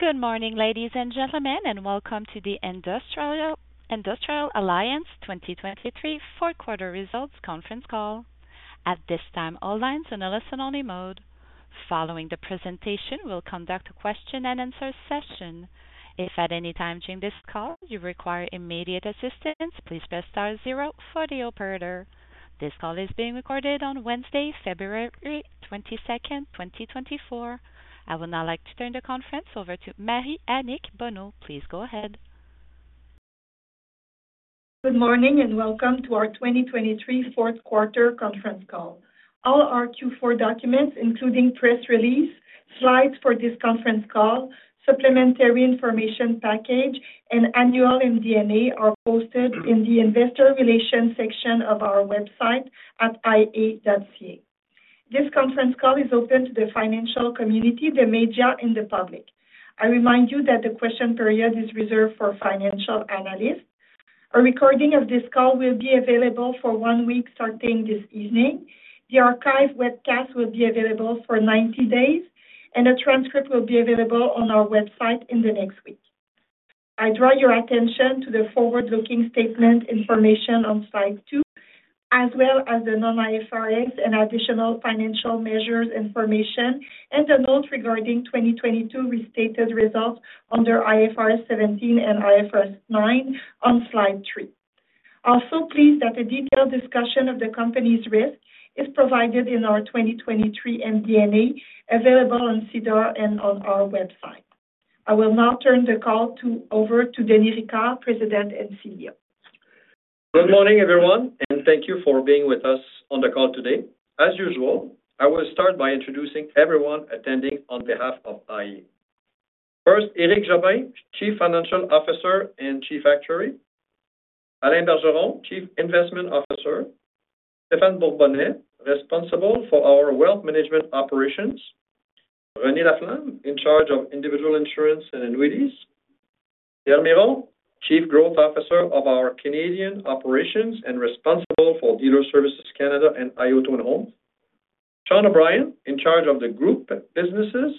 Good morning, ladies and gentlemen, and welcome to the Industrial Alliance 2023 Fourth Quarter Results Conference Call. At this time, all lines are in listen-only mode. Following the presentation, we'll conduct a question-and-answer session. If at any time during this call you require immediate assistance, please press star zero for the operator. This call is being recorded on Wednesday, February 22nd, 2024. I would now like to turn the conference over to Marie-Annick Bonneau. Please go ahead. Good morning and welcome to our 2023 Fourth Quarter Conference Call. All our Q4 documents, including press release, slides for this conference call, supplementary information package, and annual MD&A are posted in the Investor Relations section of our website at ia.ca. This conference call is open to the financial community, the media, and the public. I remind you that the question period is reserved for financial analysts. A recording of this call will be available for one week starting this evening. The archive webcast will be available for 90 days, and a transcript will be available on our website in the next week. I draw your attention to the forward-looking statement information on slide two, as well as the non-IFRS and additional financial measures information and a note regarding 2022 restated results under IFRS 17 and IFRS 9 on slide three. Also, please note that a detailed discussion of the company's risk is provided in our 2023 MD&A, available on SEDAR and on our website. I will now turn the call over to Denis Ricard, President and CEO. Good morning, everyone, and thank you for being with us on the call today. As usual, I will start by introducing everyone attending on behalf of iA. First, Éric Jobin, Chief Financial Officer and Chief Actuary, Alain Bergeron, Chief Investment Officer, Stephan Bourbonnais, responsible for our wealth management operations, Renée Laflamme, in charge of individual insurance and annuities, Pierre Miron, Chief Growth Officer of our Canadian operations and responsible for Dealer Services Canada and iA Auto & Home, Sean O'Brien, in charge of the group businesses,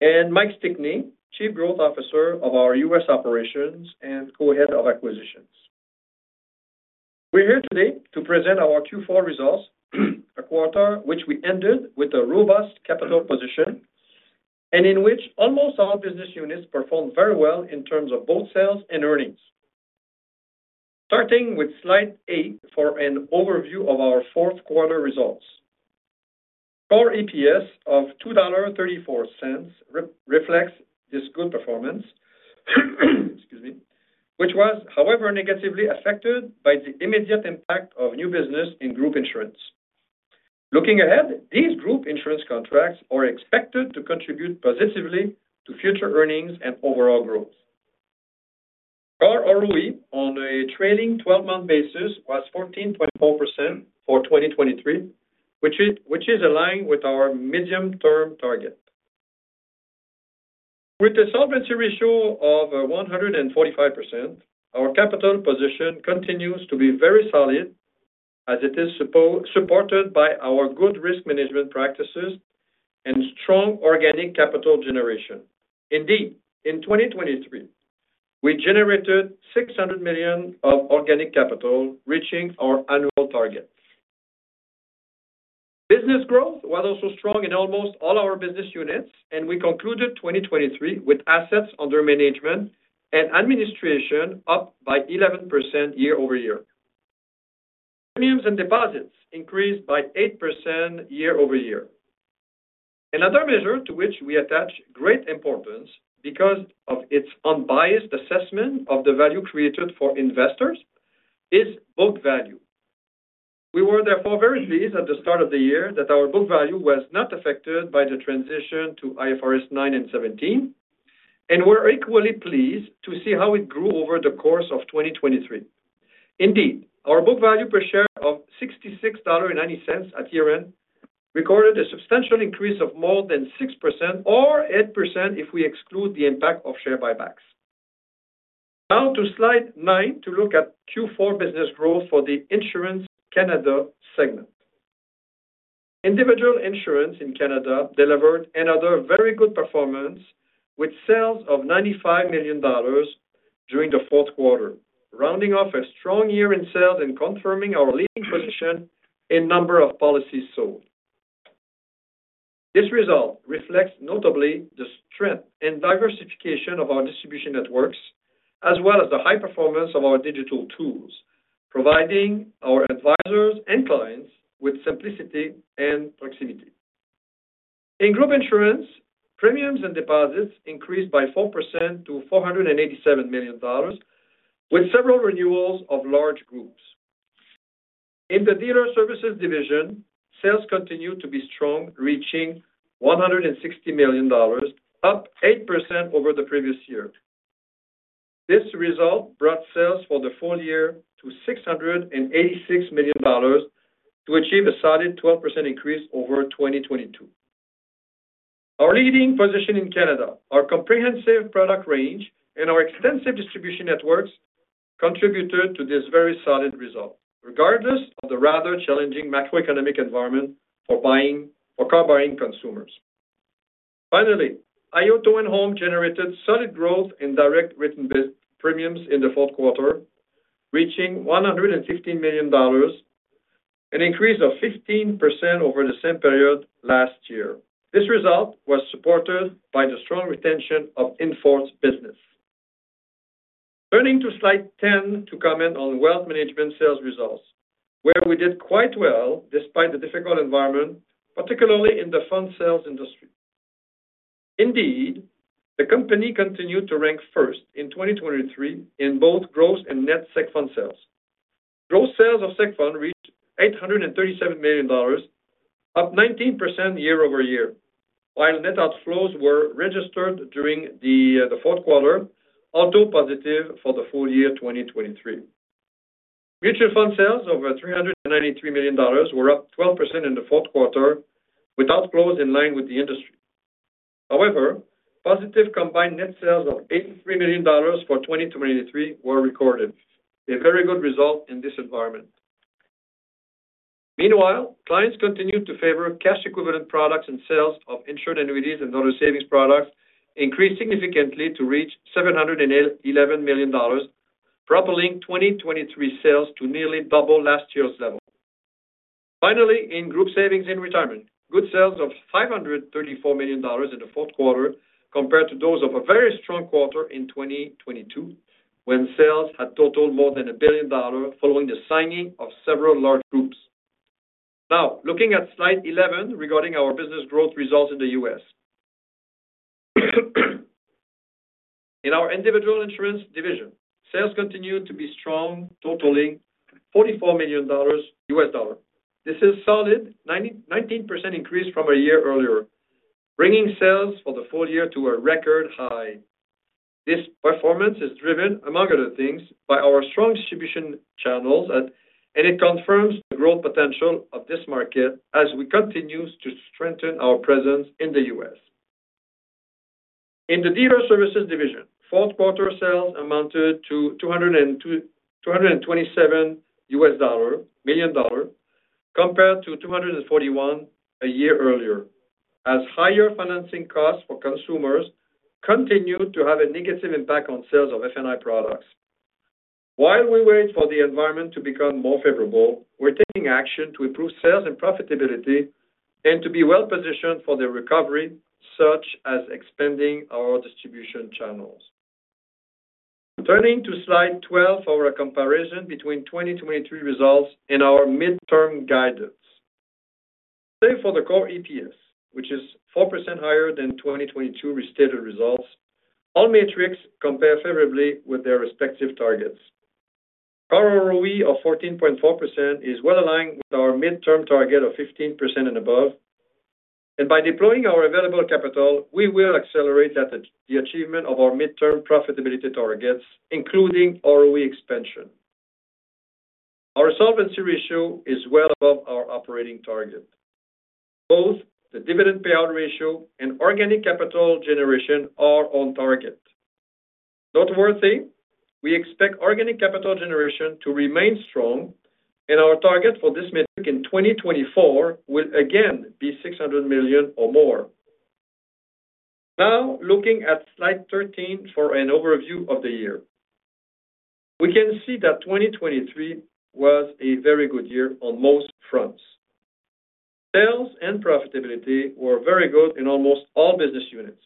and Mike Stickney, Chief Growth Officer of our U.S. operations and co-head of acquisitions. We're here today to present our Q4 results, a quarter which we ended with a robust capital position and in which almost all business units performed very well in terms of both sales and earnings. Starting with slide 8 for an overview of our fourth quarter results. Core EPS of 2.34 dollars reflects this good performance, which was, however, negatively affected by the immediate impact of new business in group insurance. Looking ahead, these group insurance contracts are expected to contribute positively to future earnings and overall growth. Core ROE on a trailing 12-month basis was 14.4% for 2023, which is aligned with our medium-term target. With a solvency ratio of 145%, our capital position continues to be very solid as it is supported by our good risk management practices and strong organic capital generation. Indeed, in 2023, we generated 600 million of organic capital, reaching our annual target. Business growth was also strong in almost all our business units, and we concluded 2023 with assets under management and administration up by 11% year-over-year. Premiums and deposits increased by 8% year-over-year. Another measure to which we attach great importance because of its unbiased assessment of the value created for investors is book value. We were, therefore, very pleased at the start of the year that our book value was not affected by the transition to IFRS 9 and 17, and we're equally pleased to see how it grew over the course of 2023. Indeed, our book value per share of 66.90 dollars at year-end recorded a substantial increase of more than 6% or 8% if we exclude the impact of share buybacks. Now to slide nine to look at Q4 business growth for the Insurance Canada segment. Individual insurance in Canada delivered another very good performance with sales of 95 million dollars during the fourth quarter, rounding off a strong year in sales and confirming our leading position in number of policies sold. This result reflects notably the strength and diversification of our distribution networks, as well as the high performance of our digital tools, providing our advisors and clients with simplicity and proximity. In Group Insurance, premiums and deposits increased by 4% to 487 million dollars, with several renewals of large groups. In the Dealer Services division, sales continued to be strong, reaching 160 million dollars, up 8% over the previous year. This result brought sales for the full year to 686 million dollars to achieve a solid 12% increase over 2022. Our leading position in Canada, our comprehensive product range, and our extensive distribution networks contributed to this very solid result, regardless of the rather challenging macroeconomic environment for car-buying consumers. Finally, iA Auto & Home generated solid growth in direct written premiums in the fourth quarter, reaching 115 million dollars, an increase of 15% over the same period last year. This result was supported by the strong retention of in-force business. Turning to slide 10 to comment on wealth management sales results, where we did quite well despite the difficult environment, particularly in the fund sales industry. Indeed, the company continued to rank first in 2023 in both gross and net Seg fund sales. Gross sales of Seg fund reached 837 million dollars, up 19% year-over-year, while net outflows were registered during the fourth quarter, also positive for the full year 2023. Mutual fund sales of 393 million dollars were up 12% in the fourth quarter, with outflows in line with the industry. However, positive combined net sales of 83 million dollars for 2023 were recorded, a very good result in this environment. Meanwhile, clients continued to favor cash equivalent products and sales of insured annuities and other savings products, increasing significantly to reach 711 million dollars, propelling 2023 sales to nearly double last year's level. Finally, in group savings and retirement, good sales of 534 million dollars in the fourth quarter compared to those of a very strong quarter in 2022, when sales had totaled more than 1 billion dollars following the signing of several large groups. Now, looking at slide 11 regarding our business growth results in the U.S. In our Individual Insurance division, sales continued to be strong, totaling $44 million. This is a solid 19% increase from a year earlier, bringing sales for the full year to a record high. This performance is driven, among other things, by our strong distribution channels, and it confirms the growth potential of this market as we continue to strengthen our presence in the U.S. In the Dealer Services division, fourth quarter sales amounted to $227 million compared to $241 million a year earlier, as higher financing costs for consumers continued to have a negative impact on sales of F&I products. While we wait for the environment to become more favorable, we're taking action to improve sales and profitability and to be well-positioned for the recovery, such as expanding our distribution channels. Turning to slide 12 for a comparison between 2023 results and our mid-term guidance. Same for the core EPS, which is 4% higher than 2022 restated results. All metrics compare favorably with their respective targets. Core ROE of 14.4% is well aligned with our mid-term target of 15% and above, and by deploying our available capital, we will accelerate the achievement of our mid-term profitability targets, including ROE expansion. Our solvency ratio is well above our operating target. Both the dividend payout ratio and organic capital generation are on target. Noteworthy, we expect organic capital generation to remain strong, and our target for this metric in 2024 will again be 600 million or more. Now, looking at slide 13 for an overview of the year. We can see that 2023 was a very good year on most fronts. Sales and profitability were very good in almost all business units.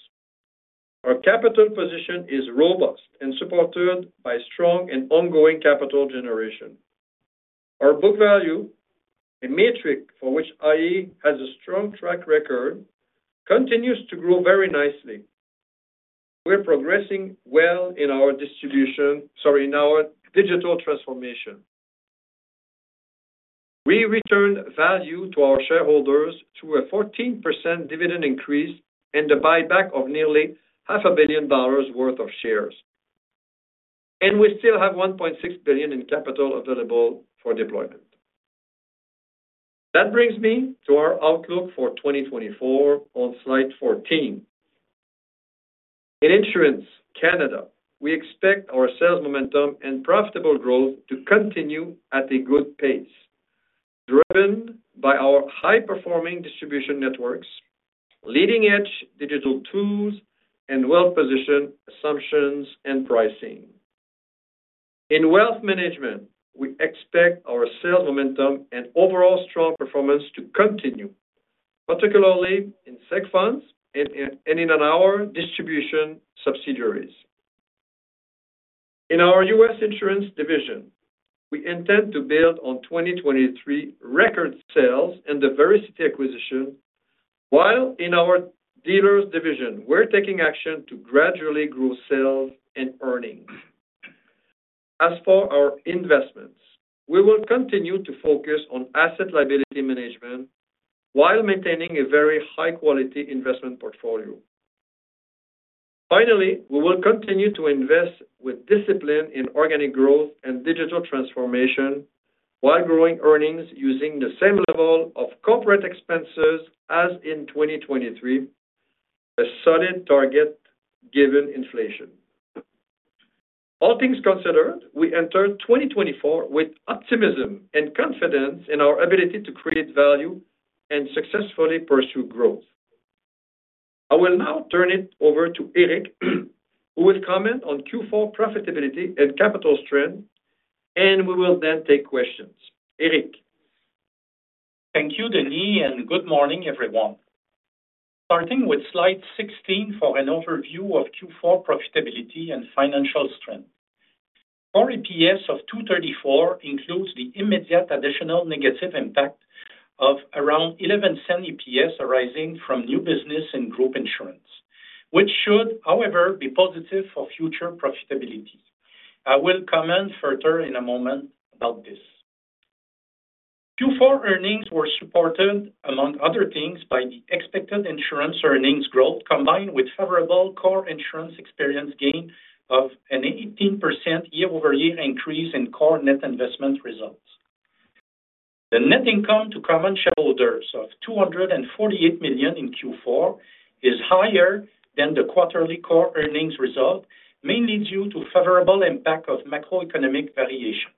Our capital position is robust and supported by strong and ongoing capital generation. Our book value, a metric for which iA has a strong track record, continues to grow very nicely. We're progressing well in our digital transformation. We returned value to our shareholders through a 14% dividend increase and the buyback of nearly 500 million dollars worth of shares, and we still have 1.6 billion in capital available for deployment. That brings me to our outlook for 2024 on slide 14. In Insurance Canada, we expect our sales momentum and profitable growth to continue at a good pace, driven by our high-performing distribution networks, leading-edge digital tools, and well-positioned assumptions and pricing. In wealth management, we expect our sales momentum and overall strong performance to continue, particularly in seg funds and in our distribution subsidiaries. In our U.S. Insurance division, we intend to build on 2023 record sales and Vericity acquisition, while in our Dealer Services division, we're taking action to gradually grow sales and earnings. As for our investments, we will continue to focus on asset liability management while maintaining a very high-quality investment portfolio. Finally, we will continue to invest with discipline in organic growth and digital transformation while growing earnings using the same level of corporate expenses as in 2023, a solid target given inflation. All things considered, we enter 2024 with optimism and confidence in our ability to create value and successfully pursue growth. I will now turn it over to Éric, who will comment on Q4 profitability and capital strength, and we will then take questions. Éric. Thank you, Denis, and good morning, everyone. Starting with slide 16 for an overview of Q4 profitability and financial strength. Core EPS of 2.34 includes the immediate additional negative impact of around 0.11 EPS arising from new business in group insurance, which should, however, be positive for future profitability. I will comment further in a moment about this. Q4 earnings were supported, among other things, by the expected insurance earnings growth combined with favorable core insurance experience gain of an 18% year-over-year increase in core net investment results. The net income to common shareholders of 248 million in Q4 is higher than the quarterly core earnings result, mainly due to favorable impact of macroeconomic variations.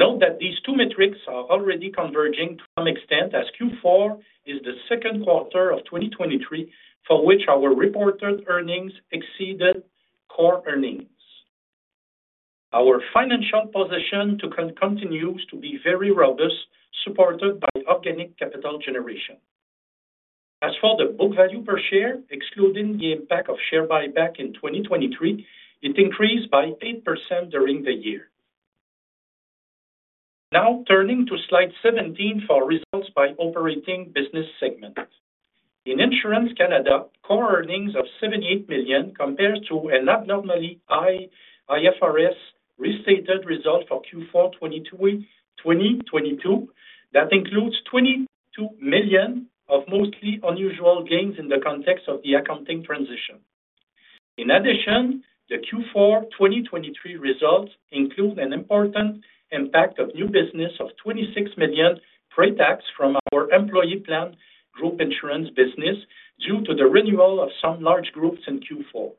Note that these two metrics are already converging to some extent, as Q4 is the second quarter of 2023 for which our reported earnings exceeded core earnings. Our financial position continues to be very robust, supported by organic capital generation. As for the book value per share, excluding the impact of share buyback in 2023, it increased by 8% during the year. Now, turning to slide 17 for results by operating business segment. In Insurance Canada, core earnings of 78 million compare to an abnormally high IFRS restated result for Q4 2022 that includes 22 million of mostly unusual gains in the context of the accounting transition. In addition, the Q4 2023 results include an important impact of new business of 26 million pre-tax from our employee plan group insurance business due to the renewal of some large groups in Q4.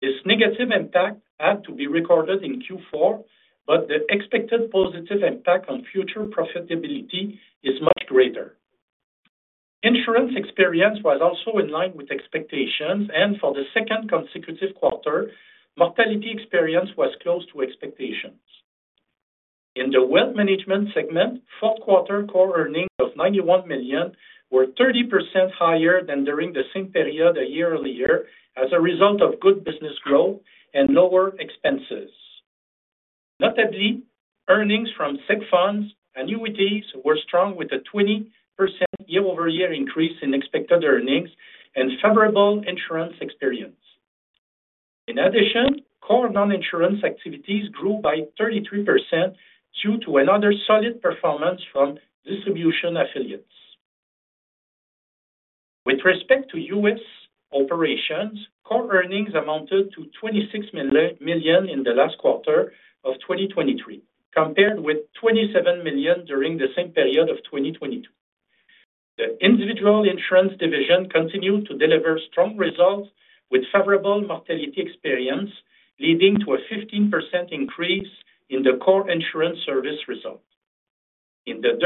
This negative impact had to be recorded in Q4, but the expected positive impact on future profitability is much greater. Insurance experience was also in line with expectations, and for the second consecutive quarter, mortality experience was close to expectations. In the wealth management segment, fourth quarter core earnings of 91 million were 30% higher than during the same period a year earlier as a result of good business growth and lower expenses. Notably, earnings from seg funds annuities were strong, with a 20% year-over-year increase in expected earnings and favorable insurance experience. In addition, core non-insurance activities grew by 33% due to another solid performance from distribution affiliates. With respect to U.S. operations, core earnings amounted to 26 million in the last quarter of 2023, compared with 27 million during the same period of 2022. The Individual Insurance division continued to deliver strong results with favorable mortality experience, leading to a 15% increase in the core insurance service result. In the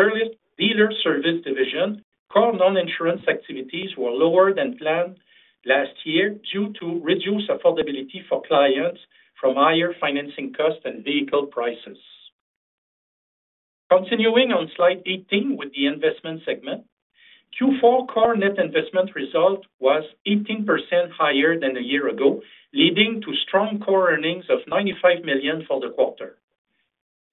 Dealer Services division, core non-insurance activities were lower than planned last year due to reduced affordability for clients from higher financing costs and vehicle prices. Continuing on slide 18 with the investment segment, Q4 core net investment result was 18% higher than a year ago, leading to strong core earnings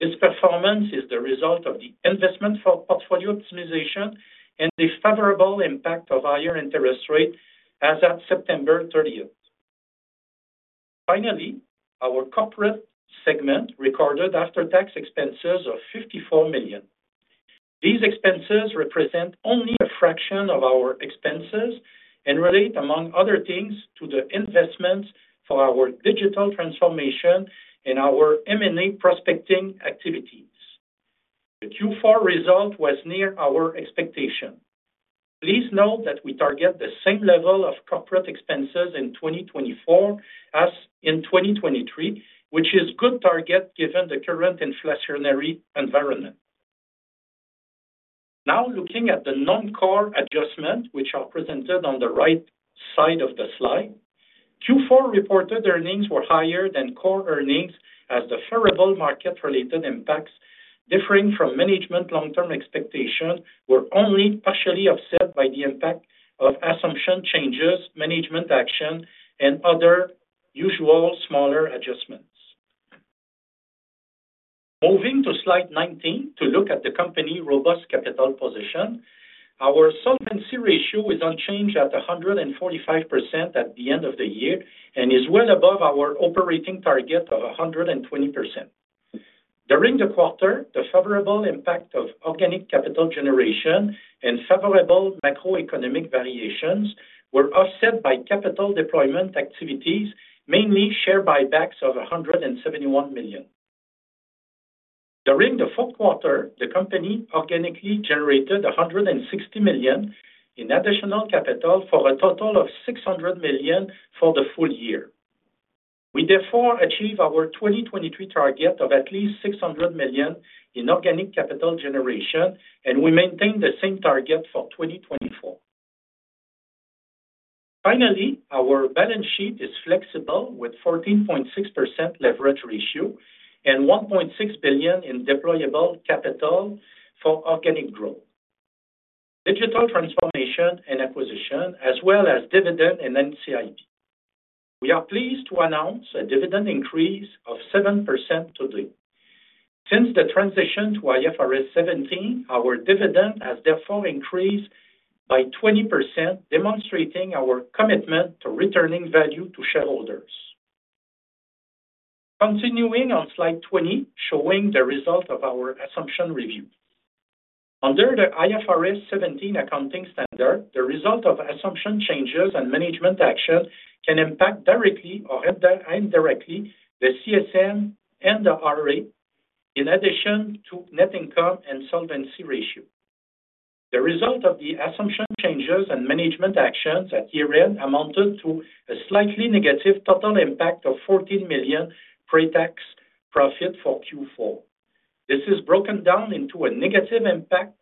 of CAD 95 million for the quarter. This performance is the result of the investment portfolio optimization and the favorable impact of higher interest rates as at September 30. Finally, our corporate segment recorded after-tax expenses of 54 million. These expenses represent only a fraction of our expenses and relate, among other things, to the investments for our digital transformation and our M&A prospecting activities. The Q4 result was near our expectation. Please note that we target the same level of corporate expenses in 2024 as in 2023, which is a good target given the current inflationary environment. Now, looking at the non-core adjustments, which are presented on the right side of the slide, Q4 reported earnings were higher than core earnings as the favorable market-related impacts, differing from management long-term expectations, were only partially offset by the impact of assumption changes, management action, and other usual smaller adjustments. Moving to slide 19 to look at the company's robust capital position, our solvency ratio is unchanged at 145% at the end of the year and is well above our operating target of 120%. During the quarter, the favorable impact of organic capital generation and favorable macroeconomic variations were offset by capital deployment activities, mainly share buybacks of 171 million. During the fourth quarter, the company organically generated 160 million in additional capital for a total of 600 million for the full year. We therefore achieved our 2023 target of at least 600 million in organic capital generation, and we maintain the same target for 2024. Finally, our balance sheet is flexible with a 14.6% leverage ratio and 1.6 billion in deployable capital for organic growth, digital transformation and acquisition, as well as dividend and NCIB. We are pleased to announce a dividend increase of 7% today. Since the transition to IFRS 17, our dividend has therefore increased by 20%, demonstrating our commitment to returning value to shareholders. Continuing on slide 20, showing the result of our assumption review. Under the IFRS 17 accounting standard, the result of assumption changes and management action can impact directly or indirectly the CSM and the RA, in addition to net income and solvency ratio. The result of the assumption changes and management actions at year-end amounted to a slightly negative total impact of 14 million pre-tax profit for Q4. This is broken down into a negative impact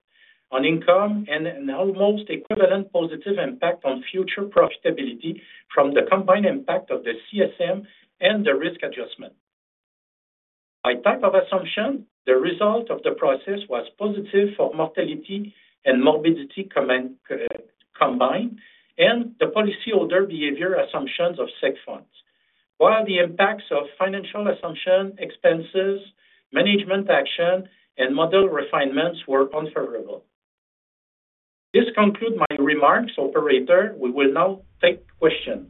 on income and an almost equivalent positive impact on future profitability from the combined impact of the CSM and the risk adjustment. By type of assumption, the result of the process was positive for mortality and morbidity combined and the policyholder behavior assumptions of seg funds, while the impacts of financial assumption expenses, management action, and model refinements were unfavorable. This concludes my remarks, Operator. We will now take questions.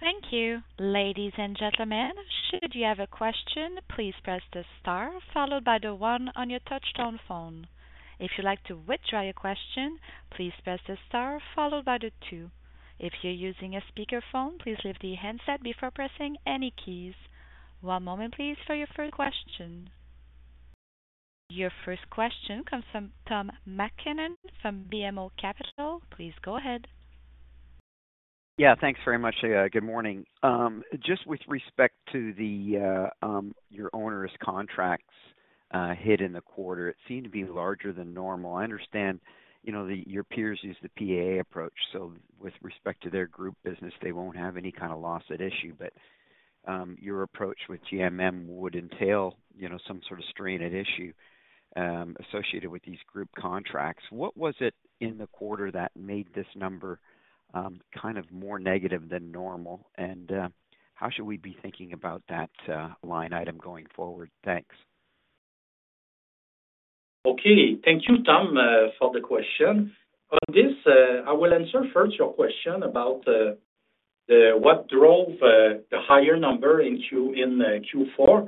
Thank you, ladies and gentlemen. Should you have a question, please press the star followed by the one on your touch-tone phone. If you'd like to withdraw your question, please press the star followed by the two. If you're using a speakerphone, please lift the handset before pressing any keys. One moment, please, for your first question. Your first question comes from Tom MacKinnon from BMO Capital. Please go ahead. Yeah, thanks very much. Good morning. Just with respect to your onerous contracts hit in the quarter, it seemed to be larger than normal. I understand your peers use the PAA approach, so with respect to their group business, they won't have any kind of loss at issue, but your approach with GMM would entail some sort of strain at issue associated with these group contracts. What was it in the quarter that made this number kind of more negative than normal, and how should we be thinking about that line item going forward? Thanks. Okay. Thank you, Tom, for the question. On this, I will answer first your question about what drove the higher number in Q4.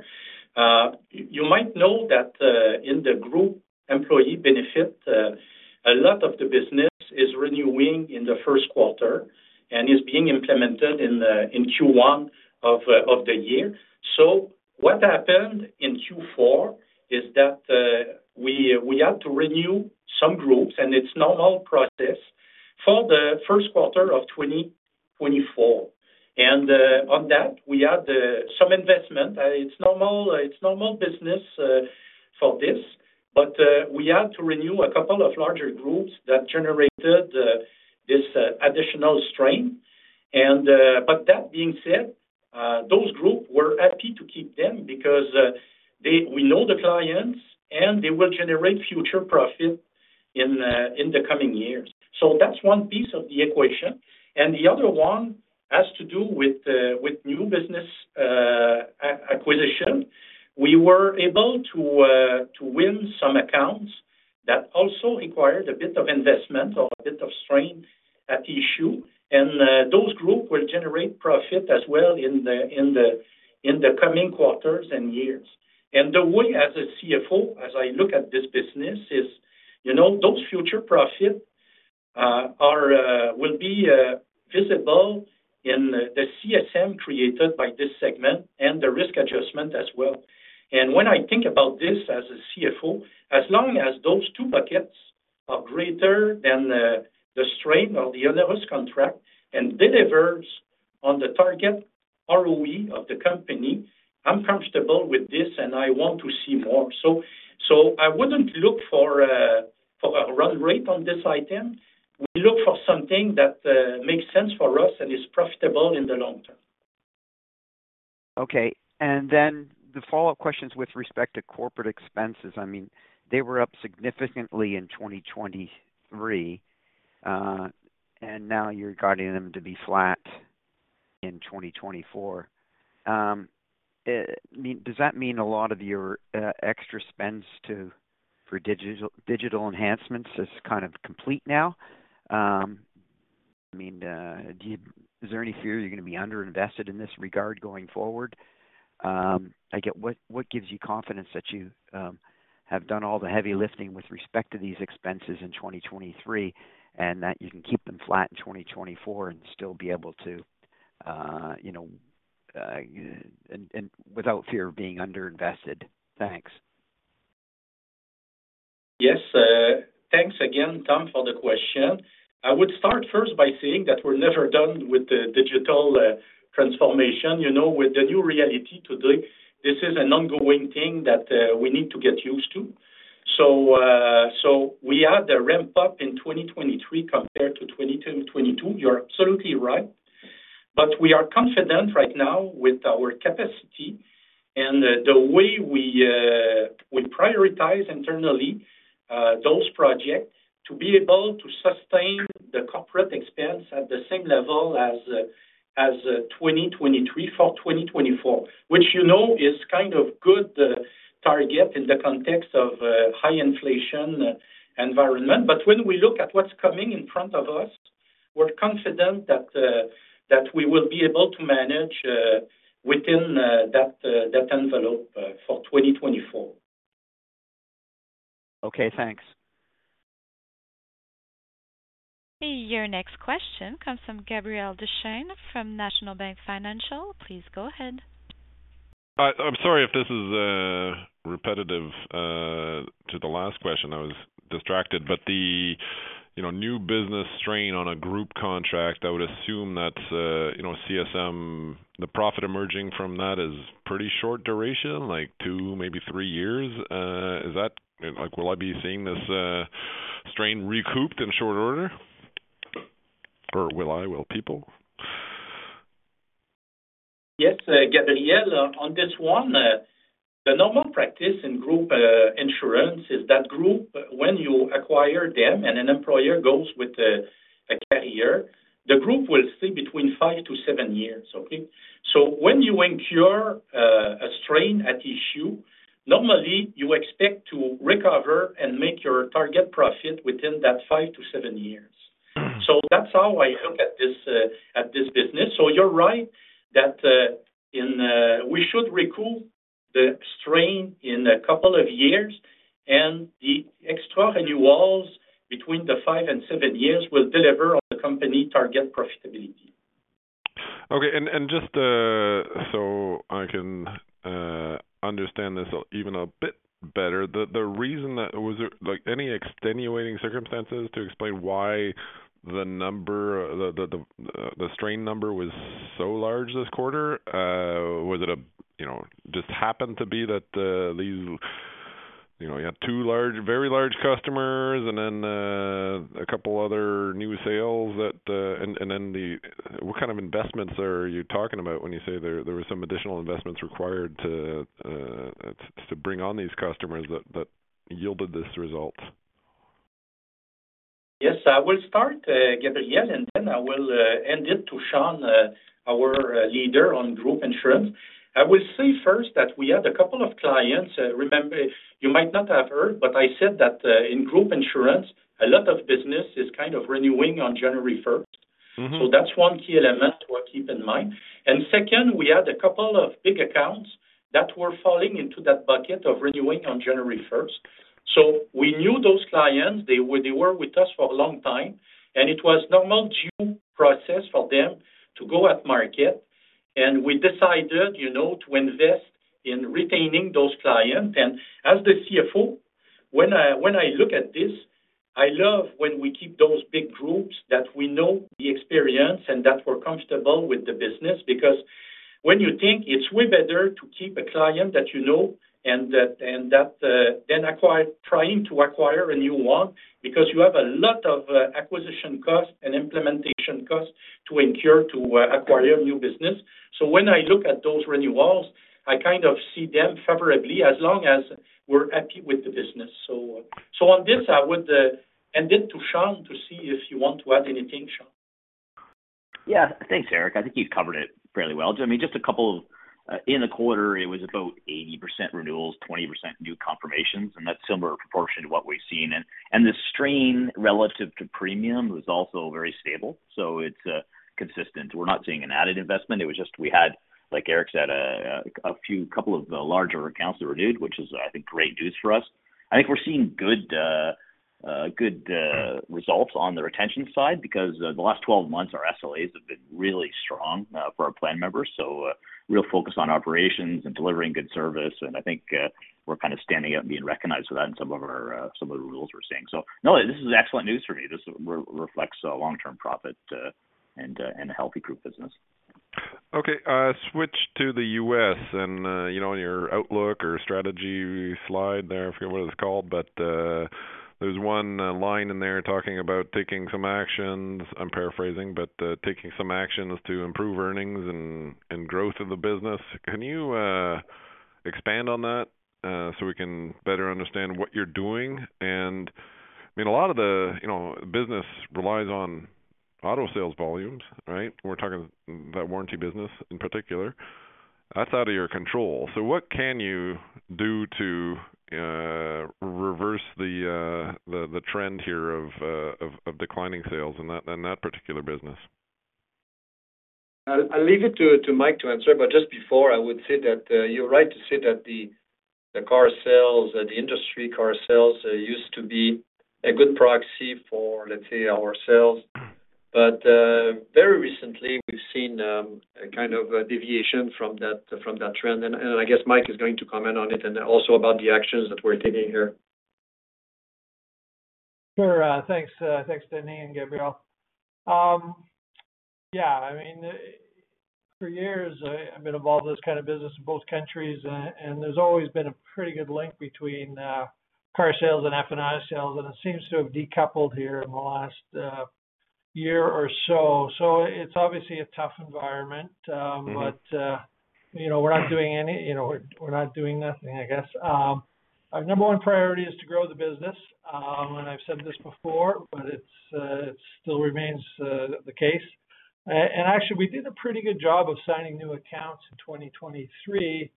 You might know that in the group employee benefit, a lot of the business is renewing in the first quarter and is being implemented in Q1 of the year. So what happened in Q4 is that we had to renew some groups, and it's a normal process, for the first quarter of 2024. And on that, we had some investment. It's normal business for this, but we had to renew a couple of larger groups that generated this additional strain. But that being said, those groups were happy to keep them because we know the clients, and they will generate future profit in the coming years. So that's one piece of the equation. And the other one has to do with new business acquisition. We were able to win some accounts that also required a bit of investment or a bit of strain at issue, and those groups will generate profit as well in the coming quarters and years. And the way, as a CFO, as I look at this business, is those future profits will be visible in the CSM created by this segment and the risk adjustment as well. And when I think about this as a CFO, as long as those two buckets are greater than the strain or the onerous contract and delivers on the target ROE of the company, I'm comfortable with this, and I want to see more. So I wouldn't look for a run rate on this item. We look for something that makes sense for us and is profitable in the long term. Okay. And then the follow-up questions with respect to corporate expenses, I mean, they were up significantly in 2023, and now you're guiding them to be flat in 2024. Does that mean a lot of your extra spends for digital enhancements is kind of complete now? I mean, is there any fear you're going to be underinvested in this regard going forward? What gives you confidence that you have done all the heavy lifting with respect to these expenses in 2023 and that you can keep them flat in 2024 and still be able to and without fear of being underinvested? Thanks. Yes. Thanks again, Tom, for the question. I would start first by saying that we're never done with the digital transformation. With the new reality today, this is an ongoing thing that we need to get used to. So we had a ramp-up in 2023 compared to 2022. You're absolutely right. But we are confident right now with our capacity and the way we prioritize internally those projects to be able to sustain the corporate expense at the same level as 2023 for 2024, which is kind of a good target in the context of a high inflation environment. But when we look at what's coming in front of us, we're confident that we will be able to manage within that envelope for 2024. Okay. Thanks. Hey. Your next question comes from Gabriel Dechaine from National Bank Financial. Please go ahead. I'm sorry if this is repetitive to the last question. I was distracted. But the new business strain on a group contract, I would assume that CSM, the profit emerging from that, is pretty short duration, like two, maybe three years. Will I be seeing this strain recouped in short order? Or will I? Will people? Yes, Gabriel. On this one, the normal practice in group insurance is that group, when you acquire them and an employer goes with a carrier, the group will stay between five and seven years. Okay? So when you incur a strain at issue, normally, you expect to recover and make your target profit within that 5-7 years. So that's how I look at this business. So you're right that we should recoup the strain in a couple of years, and the extra renewals between the five and seven years will deliver on the company target profitability. Okay. Just so I can understand this even a bit better, the reason that was there any extenuating circumstances to explain why the strain number was so large this quarter? Was it just happened to be that you had two very large customers and then a couple other new sales? And then what kind of investments are you talking about when you say there were some additional investments required to bring on these customers that yielded this result? Yes. I will start, Gabriel, and then I will hand it to Sean, our leader on group insurance. I will say first that we had a couple of clients. You might not have heard, but I said that in group insurance, a lot of business is kind of renewing on January 1st. So that's one key element to keep in mind. And second, we had a couple of big accounts that were falling into that bucket of renewing on January 1st. So we knew those clients. They were with us for a long time, and it was a normal due process for them to go at market. And we decided to invest in retaining those clients. And as the CFO, when I look at this, I love when we keep those big groups that we know the experience and that we're comfortable with the business. Because when you think it's way better to keep a client that you know and then trying to acquire a new one because you have a lot of acquisition costs and implementation costs to incur to acquire a new business. So when I look at those renewals, I kind of see them favorably as long as we're happy with the business. So on this, I would hand it to Sean to see if you want to add anything, Sean. Yeah. Thanks, Éric. I think you've covered it fairly well. I mean, just a couple of in the quarter, it was about 80% renewals, 20% new confirmations, and that's similar proportion to what we've seen. And the strain relative to premium was also very stable, so it's consistent. We're not seeing an added investment. It was just we had, like Éric said, a couple of larger accounts that were renewed, which is, I think, great news for us. I think we're seeing good results on the retention side because the last 12 months, our SLAs have been really strong for our plan members, so real focus on operations and delivering good service. And I think we're kind of standing up and being recognized for that in some of the rules we're seeing. So no, this is excellent news for me. This reflects long-term profit and a healthy group business. Okay. Switch to the U.S. And on your Outlook or Strategy slide there—I forget what it's called—but there's one line in there talking about taking some actions—I'm paraphrasing—but taking some actions to improve earnings and growth of the business. Can you expand on that so we can better understand what you're doing? And I mean, a lot of the business relies on auto sales volumes, right? We're talking that warranty business in particular. That's out of your control. So what can you do to reverse the trend here of declining sales in that particular business? I'll leave it to Mike to answer. But just before, I would say that you're right to say that the car sales, the industry car sales, used to be a good proxy for, let's say, our sales. But very recently, we've seen kind of a deviation from that trend. And I guess Mike is going to comment on it and also about the actions that we're taking here. Sure. Thanks. Thanks, Denis and Gabriel. Yeah. I mean, for years, I've been involved in this kind of business in both countries, and there's always been a pretty good link between car sales and F&I sales, and it seems to have decoupled here in the last year or so. So it's obviously a tough environment, but we're not doing nothing, I guess. Our number one priority is to grow the business. And I've said this before, but it still remains the case. And actually, we did a pretty good job of signing new accounts in 2023.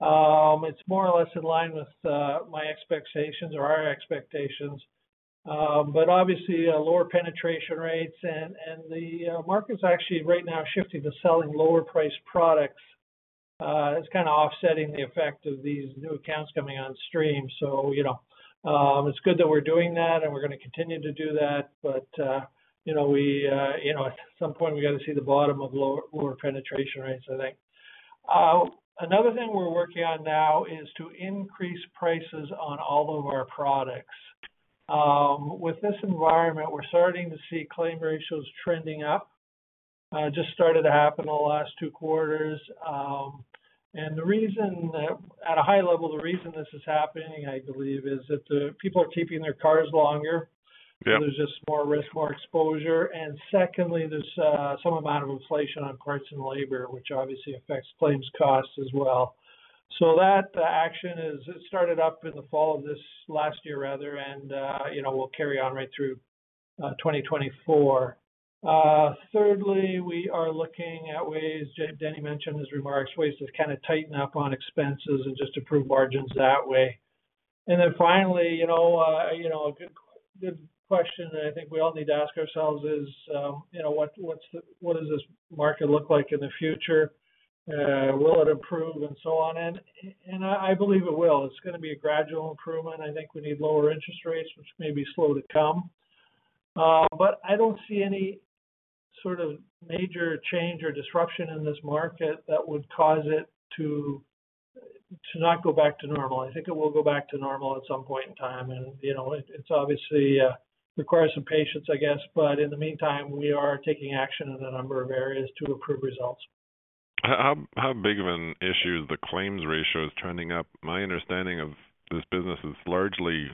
It's more or less in line with my expectations or our expectations. But obviously, lower penetration rates. And the market's actually, right now, shifting to selling lower-priced products. It's kind of offsetting the effect of these new accounts coming on stream. So it's good that we're doing that, and we're going to continue to do that. But at some point, we got to see the bottom of lower penetration rates, I think. Another thing we're working on now is to increase prices on all of our products. With this environment, we're starting to see claim ratios trending up. Just started to happen in the last two quarters. And at a high level, the reason this is happening, I believe, is that people are keeping their cars longer. There's just more risk, more exposure. And secondly, there's some amount of inflation on parts and labor, which obviously affects claims costs as well. So that action started up in the fall of this last year, rather, and will carry on right through 2024. Thirdly, we are looking at ways Denis mentioned in his remarks, ways to kind of tighten up on expenses and just improve margins that way. Then finally, a good question that I think we all need to ask ourselves is, what does this market look like in the future? Will it improve? And so on. I believe it will. It's going to be a gradual improvement. I think we need lower interest rates, which may be slow to come. But I don't see any sort of major change or disruption in this market that would cause it to not go back to normal. I think it will go back to normal at some point in time. And it obviously requires some patience, I guess. But in the meantime, we are taking action in a number of areas to improve results. How big of an issue is the claims ratios trending up? My understanding of this business is largely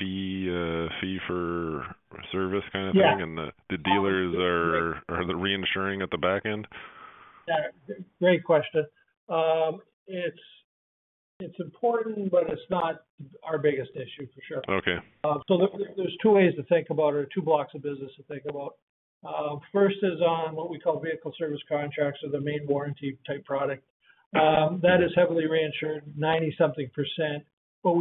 fee-for-service kind of thing, and the dealers are reinsuring at the back end. Yeah. Great question. It's important, but it's not our biggest issue, for sure. Okay. So there's two ways to think about it or two blocks of business to think about. First is on what we call vehicle service contracts or the main warranty-type product. That is heavily reinsured, 90-something%. But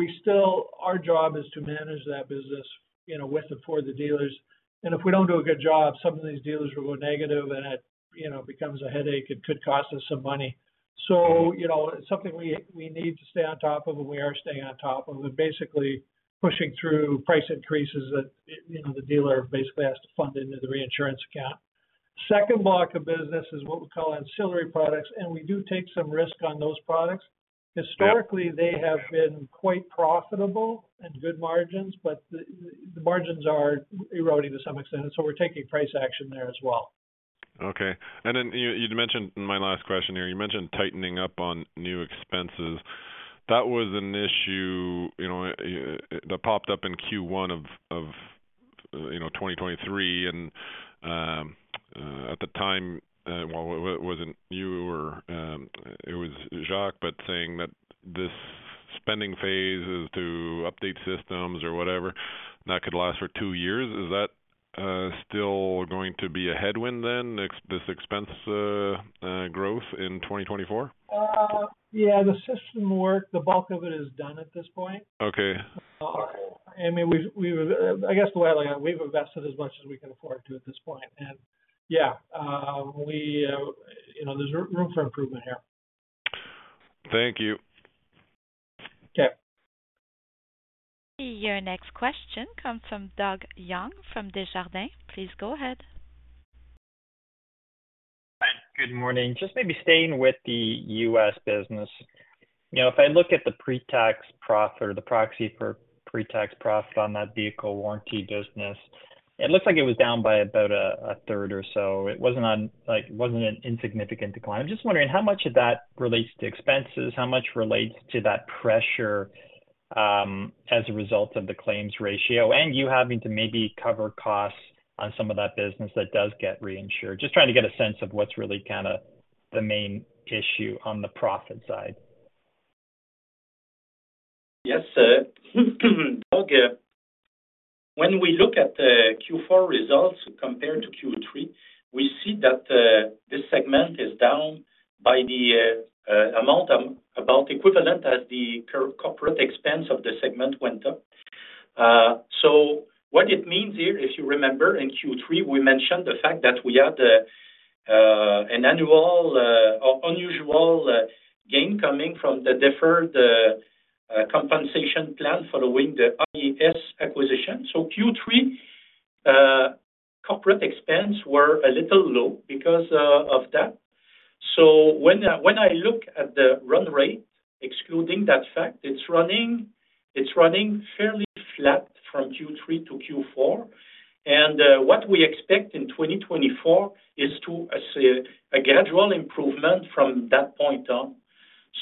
our job is to manage that business with and for the dealers. And if we don't do a good job, some of these dealers will go negative, and it becomes a headache. It could cost us some money. So it's something we need to stay on top of, and we are staying on top of it, basically pushing through price increases that the dealer basically has to fund into the reinsurance account. Second block of business is what we call ancillary products, and we do take some risk on those products. Historically, they have been quite profitable and good margins, but the margins are eroding to some extent. And so we're taking price action there as well. Okay. And then you'd mentioned in my last question here, you mentioned tightening up on new expenses. That was an issue that popped up in Q1 of 2023. And at the time, well, it wasn't you. It was Jacques, but saying that this spending phase is to update systems or whatever, that could last for two years. Is that still going to be a headwind then, this expense growth in 2024? Yeah. The system work, the bulk of it is done at this point. I mean, I guess the way I look at it, we've invested as much as we can afford to at this point. Yeah, there's room for improvement here. Thank you. Okay. Hey. Your next question comes from Doug Young from Desjardins. Please go ahead. Hi. Good morning. Just maybe staying with the U.S. business. If I look at the pretax profit or the proxy for pretax profit on that vehicle warranty business, it looks like it was down by about a third or so. It wasn't an insignificant decline. I'm just wondering how much of that relates to expenses, how much relates to that pressure as a result of the claims ratio and you having to maybe cover costs on some of that business that does get reinsured, just trying to get a sense of what's really kind of the main issue on the profit side. Yes, sir. Doug, when we look at Q4 results compared to Q3, we see that this segment is down by the amount about equivalent as the corporate expense of the segment went up. So what it means here, if you remember, in Q3, we mentioned the fact that we had an annual or unusual gain coming from the deferred compensation plan following the iA acquisition. So Q3, corporate expense were a little low because of that. So when I look at the run rate, excluding that fact, it's running fairly flat from Q3 to Q4. And what we expect in 2024 is a gradual improvement from that point on.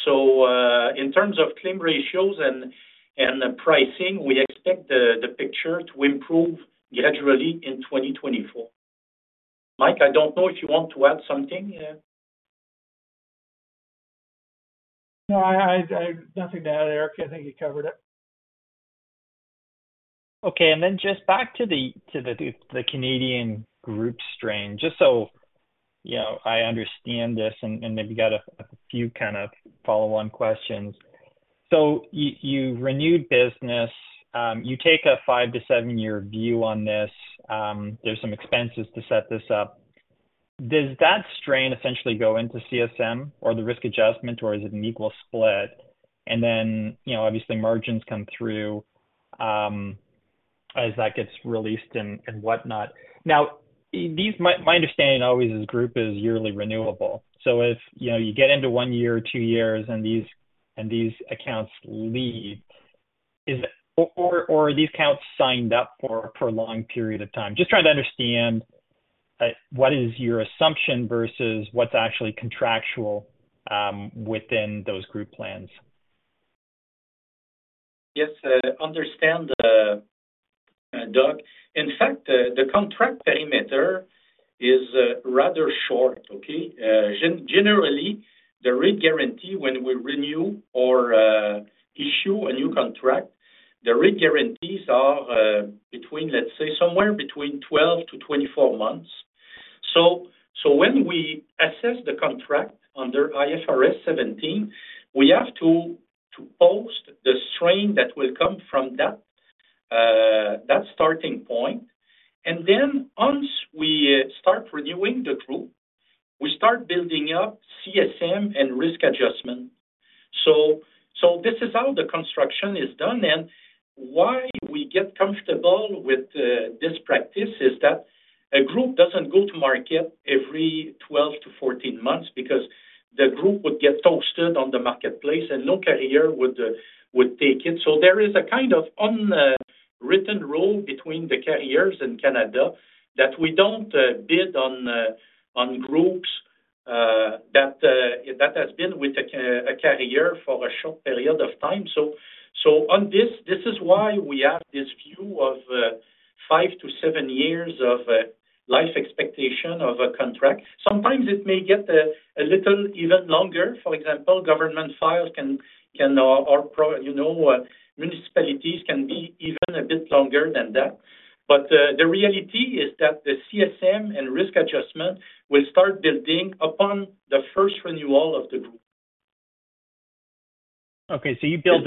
So in terms of claim ratios and pricing, we expect the picture to improve gradually in 2024. Mike, I don't know if you want to add something. No, nothing to add, Éric. I think you covered it. Okay. And then just back to the Canadian group strain, just so I understand this and maybe got a few kind of follow-on questions. So you renewed business. You take a five to seven year view on this. There's some expenses to set this up. Does that strain essentially go into CSM or the risk adjustment, or is it an equal split? And then obviously, margins come through as that gets released and whatnot. Now, my understanding always is group is yearly renewable. So if you get into one year, two years, and these accounts leave, or are these accounts signed up for a prolonged period of time? Just trying to understand what is your assumption versus what's actually contractual within those group plans. Yes, sir. Understood, Doug. In fact, the contract perimeter is rather short, okay? Generally, the rate guarantee when we renew or issue a new contract, the rate guarantees are between, let's say, somewhere between 12-24 months. So when we assess the contract under IFRS 17, we have to post the strain that will come from that starting point. And then once we start renewing the group, we start building up CSM and risk adjustment. So this is how the construction is done. And why we get comfortable with this practice is that a group doesn't go to market every 12-14 months because the group would get toasted on the marketplace, and no carrier would take it. So there is a kind of unwritten rule between the carriers in Canada that we don't bid on groups that have been with a carrier for a short period of time. So on this, this is why we have this view of five to seven years of life expectation of a contract. Sometimes it may get a little even longer. For example, government files can or municipalities can be even a bit longer than that. But the reality is that the CSM and risk adjustment will start building upon the first renewal of the group. Okay. So you build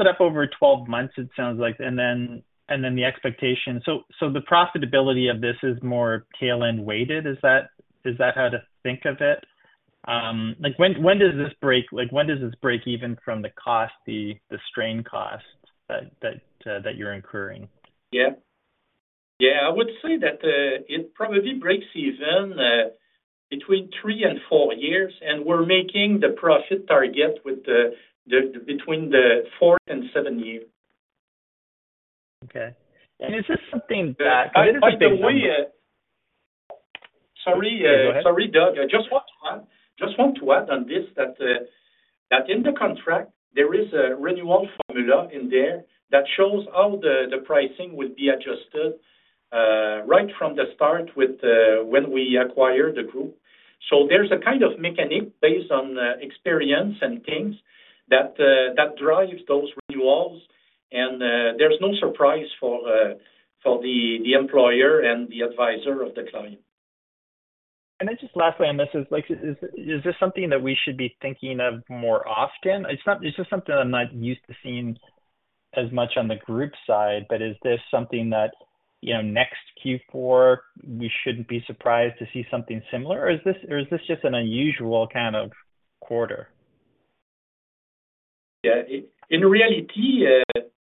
it up over 12 months, it sounds like. And then the expectation. So the profitability of this is more tail-end weighted. Is that how to think of it? When does this break? When does this break even from the cost, the strain costs that you're incurring? Yeah. Yeah. I would say that it probably breaks even between three and four years. We're making the profit target between the fourth and seventh year. Okay. Is this something that. Because it is like the way, sorry. Go ahead. Sorry, Doug. I just want to add on this that in the contract, there is a renewal formula in there that shows how the pricing will be adjusted right from the start when we acquire the group. So there's a kind of mechanic based on experience and things that drives those renewals. And there's no surprise for the employer and the advisor of the client. And then just lastly, and this is this something that we should be thinking of more often? It's just something that I'm not used to seeing as much on the group side. But is this something that next Q4, we shouldn't be surprised to see something similar? Or is this just an unusual kind of quarter? Yeah. In reality,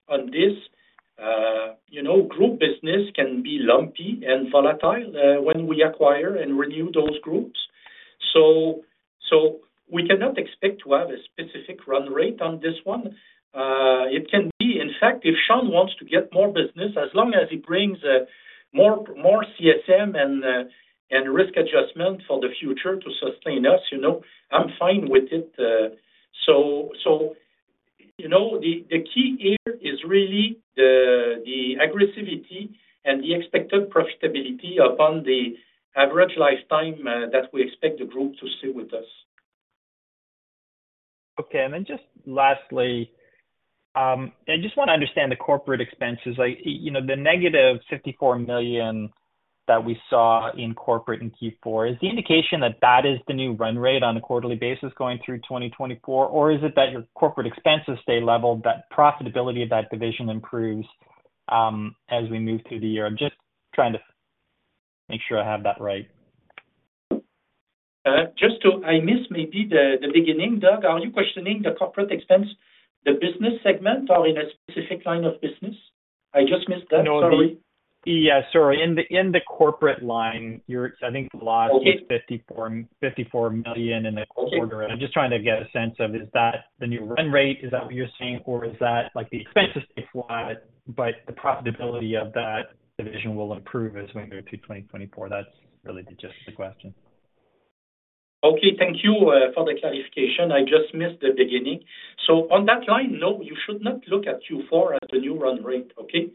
on this, group business can be lumpy and volatile when we acquire and renew those groups. So we cannot expect to have a specific run rate on this one. It can be, in fact, if Sean wants to get more business, as long as he brings more CSM and risk adjustment for the future to sustain us, I'm fine with it. So the key here is really the aggressiveness and the expected profitability upon the average lifetime that we expect the group to stay with us. Okay. And then just lastly, I just want to understand the corporate expenses. The negative 54 million that we saw in corporate in Q4, is the indication that that is the new run rate on a quarterly basis going through 2024? Or is it that your corporate expenses stay level, that profitability of that division improves as we move through the year? I'm just trying to make sure I have that right. I missed maybe the beginning, Doug. Are you questioning the corporate expense, the business segment, or in a specific line of business? I just missed that. Sorry. Yeah. Sorry. In the corporate line, I think the loss was 54 million in the quarter. And I'm just trying to get a sense of, is that the new run rate? Is that what you're saying? Or is that the expenses stay flat, but the profitability of that division will improve as we move through 2024? That's really just the question. Okay. Thank you for the clarification. I just missed the beginning. So on that line, no, you should not look at Q4 as the new run rate, okay?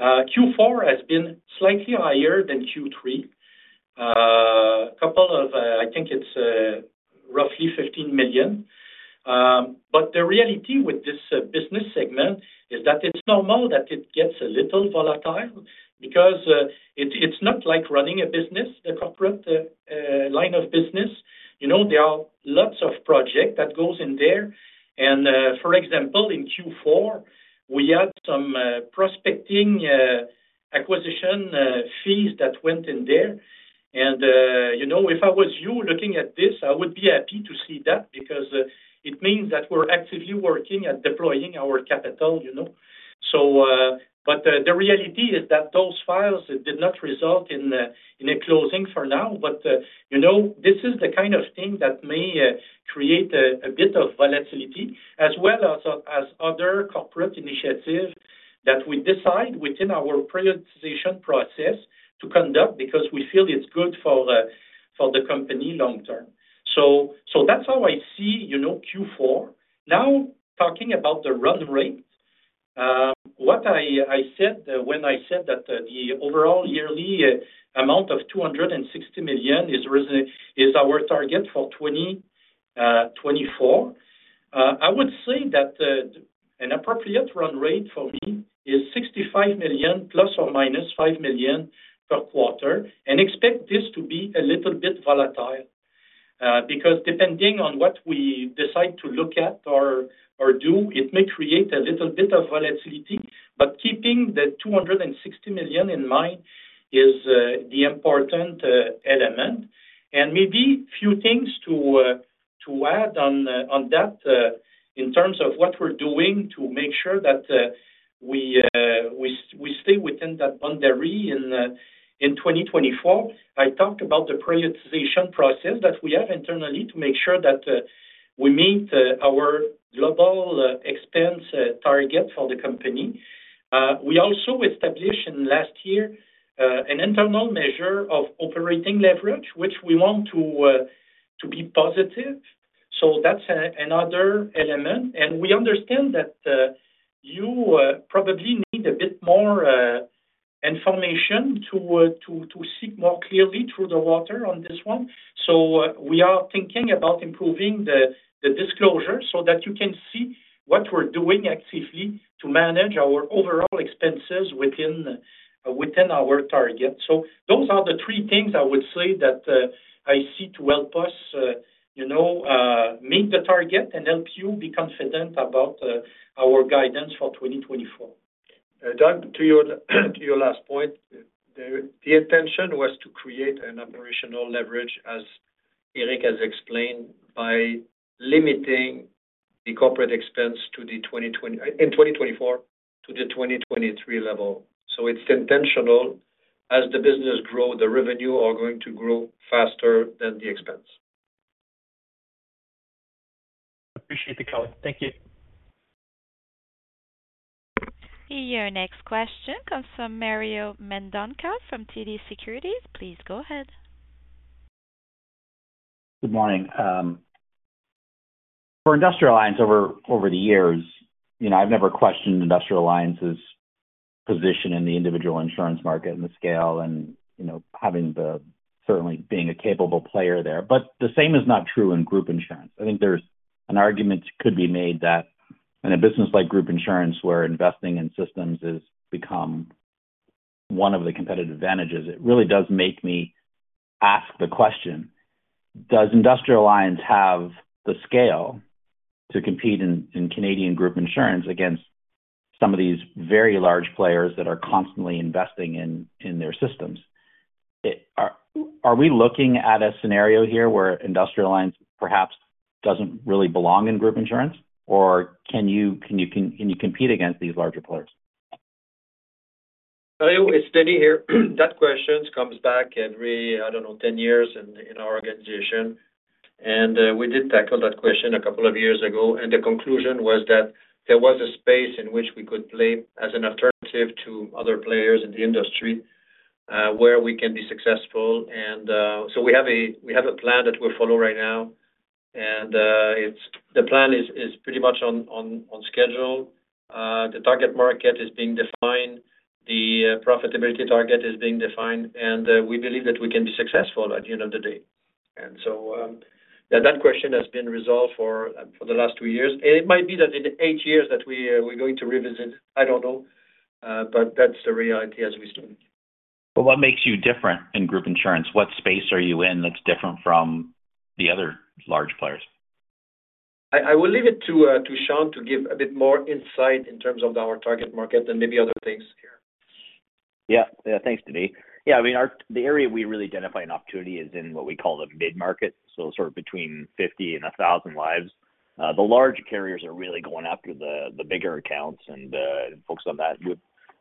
Q4 has been slightly higher than Q3, a couple of. I think it's roughly 15 million. But the reality with this business segment is that it's normal that it gets a little volatile because it's not like running a business, the corporate line of business. There are lots of projects that go in there. And for example, in Q4, we had some prospecting acquisition fees that went in there. And if I was you looking at this, I would be happy to see that because it means that we're actively working at deploying our capital. But the reality is that those files, it did not result in a closing for now. But this is the kind of thing that may create a bit of volatility as well as other corporate initiatives that we decide within our prioritization process to conduct because we feel it's good for the company long term. So that's how I see Q4. Now, talking about the run rate, what I said when I said that the overall yearly amount of 260 million is our target for 2024, I would say that an appropriate run rate for me is 65 million ± 5 million per quarter and expect this to be a little bit volatile because depending on what we decide to look at or do, it may create a little bit of volatility. But keeping the 260 million in mind is the important element. And maybe a few things to add on that in terms of what we're doing to make sure that we stay within that boundary in 2024. I talked about the prioritization process that we have internally to make sure that we meet our global expense target for the company. We also established in last year an internal measure of operating leverage, which we want to be positive. So that's another element. And we understand that you probably need a bit more information to see more clearly through the water on this one. So we are thinking about improving the disclosure so that you can see what we're doing actively to manage our overall expenses within our target. So those are the three things I would say that I see to help us meet the target and help you be confident about our guidance for 2024. Doug, to your last point, the intention was to create an operational leverage, as Éric has explained, by limiting the corporate expense in 2024 to the 2023 level. So it's intentional. As the business grows, the revenue are going to grow faster than the expense. Appreciate the comment. Thank you. Your next question comes from Mario Mendonca from TD Securities. Please go ahead. Good morning. For Industrial Alliance over the years, I've never questioned Industrial Alliance's position in the individual insurance market and the scale and certainly being a capable player there. But the same is not true in group insurance. I think there's an argument could be made that in a business like group insurance, where investing in systems has become one of the competitive advantages, it really does make me ask the question, does Industrial Alliance have the scale to compete in Canadian group insurance against some of these very large players that are constantly investing in their systems? Are we looking at a scenario here where Industrial Alliance perhaps doesn't really belong in group insurance? Or can you compete against these larger players? It's Denis here. That question comes back every, I don't know, 10 years in our organization. We did tackle that question a couple of years ago. The conclusion was that there was a space in which we could play as an alternative to other players in the industry where we can be successful. So we have a plan that we follow right now. The plan is pretty much on schedule. The target market is being defined. The profitability target is being defined. We believe that we can be successful at the end of the day. So that question has been resolved for the last two years. It might be that in 8 years that we're going to revisit it. I don't know. That's the reality as we speak. Well, what makes you different in group insurance? What space are you in that's different from the other large players? I will leave it to Sean to give a bit more insight in terms of our target market and maybe other things here. Yeah. Yeah. Thanks, Denis. Yeah. I mean, the area we really identify an opportunity is in what we call the mid-market, so sort of between 50 and 1,000 lives. The large carriers are really going after the bigger accounts and focus on that.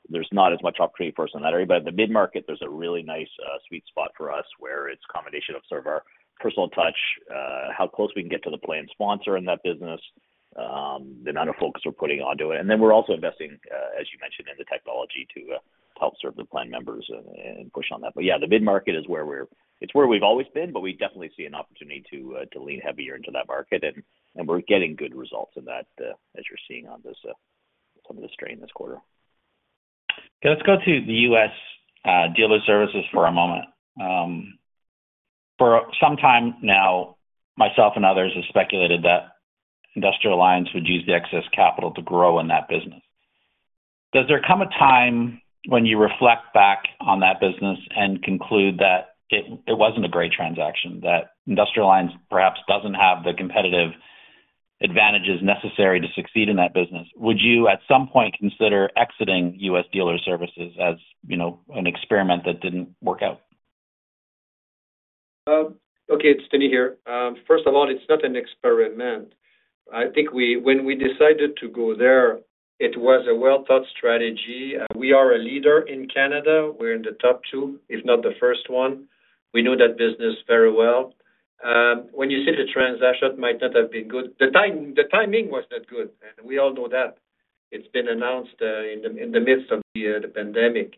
There's not as much opportunity for us in that area. But at the mid-market, there's a really nice sweet spot for us where it's a combination of sort of our personal touch, how close we can get to the plan sponsor in that business, the amount of focus we're putting onto it. And then we're also investing, as you mentioned, in the technology to help serve the plan members and push on that. But yeah, the mid-market is where we're, it's where we've always been, but we definitely see an opportunity to lean heavier into that market. We're getting good results in that, as you're seeing on some of the strain this quarter. Let's go to the U.S. Dealer Services for a moment. For some time now, myself and others have speculated that Industrial Alliance would use the excess capital to grow in that business. Does there come a time when you reflect back on that business and conclude that it wasn't a great transaction, that Industrial Alliance perhaps doesn't have the competitive advantages necessary to succeed in that business? Would you, at some point, consider exiting U.S. Dealer Services as an experiment that didn't work out? Okay. It's Denis here. First of all, it's not an experiment. I think when we decided to go there, it was a well-thought strategy. We are a leader in Canada. We're in the top two, if not the first one. We know that business very well. When you see the transaction, it might not have been good. The timing was not good. And we all know that. It's been announced in the midst of the pandemic.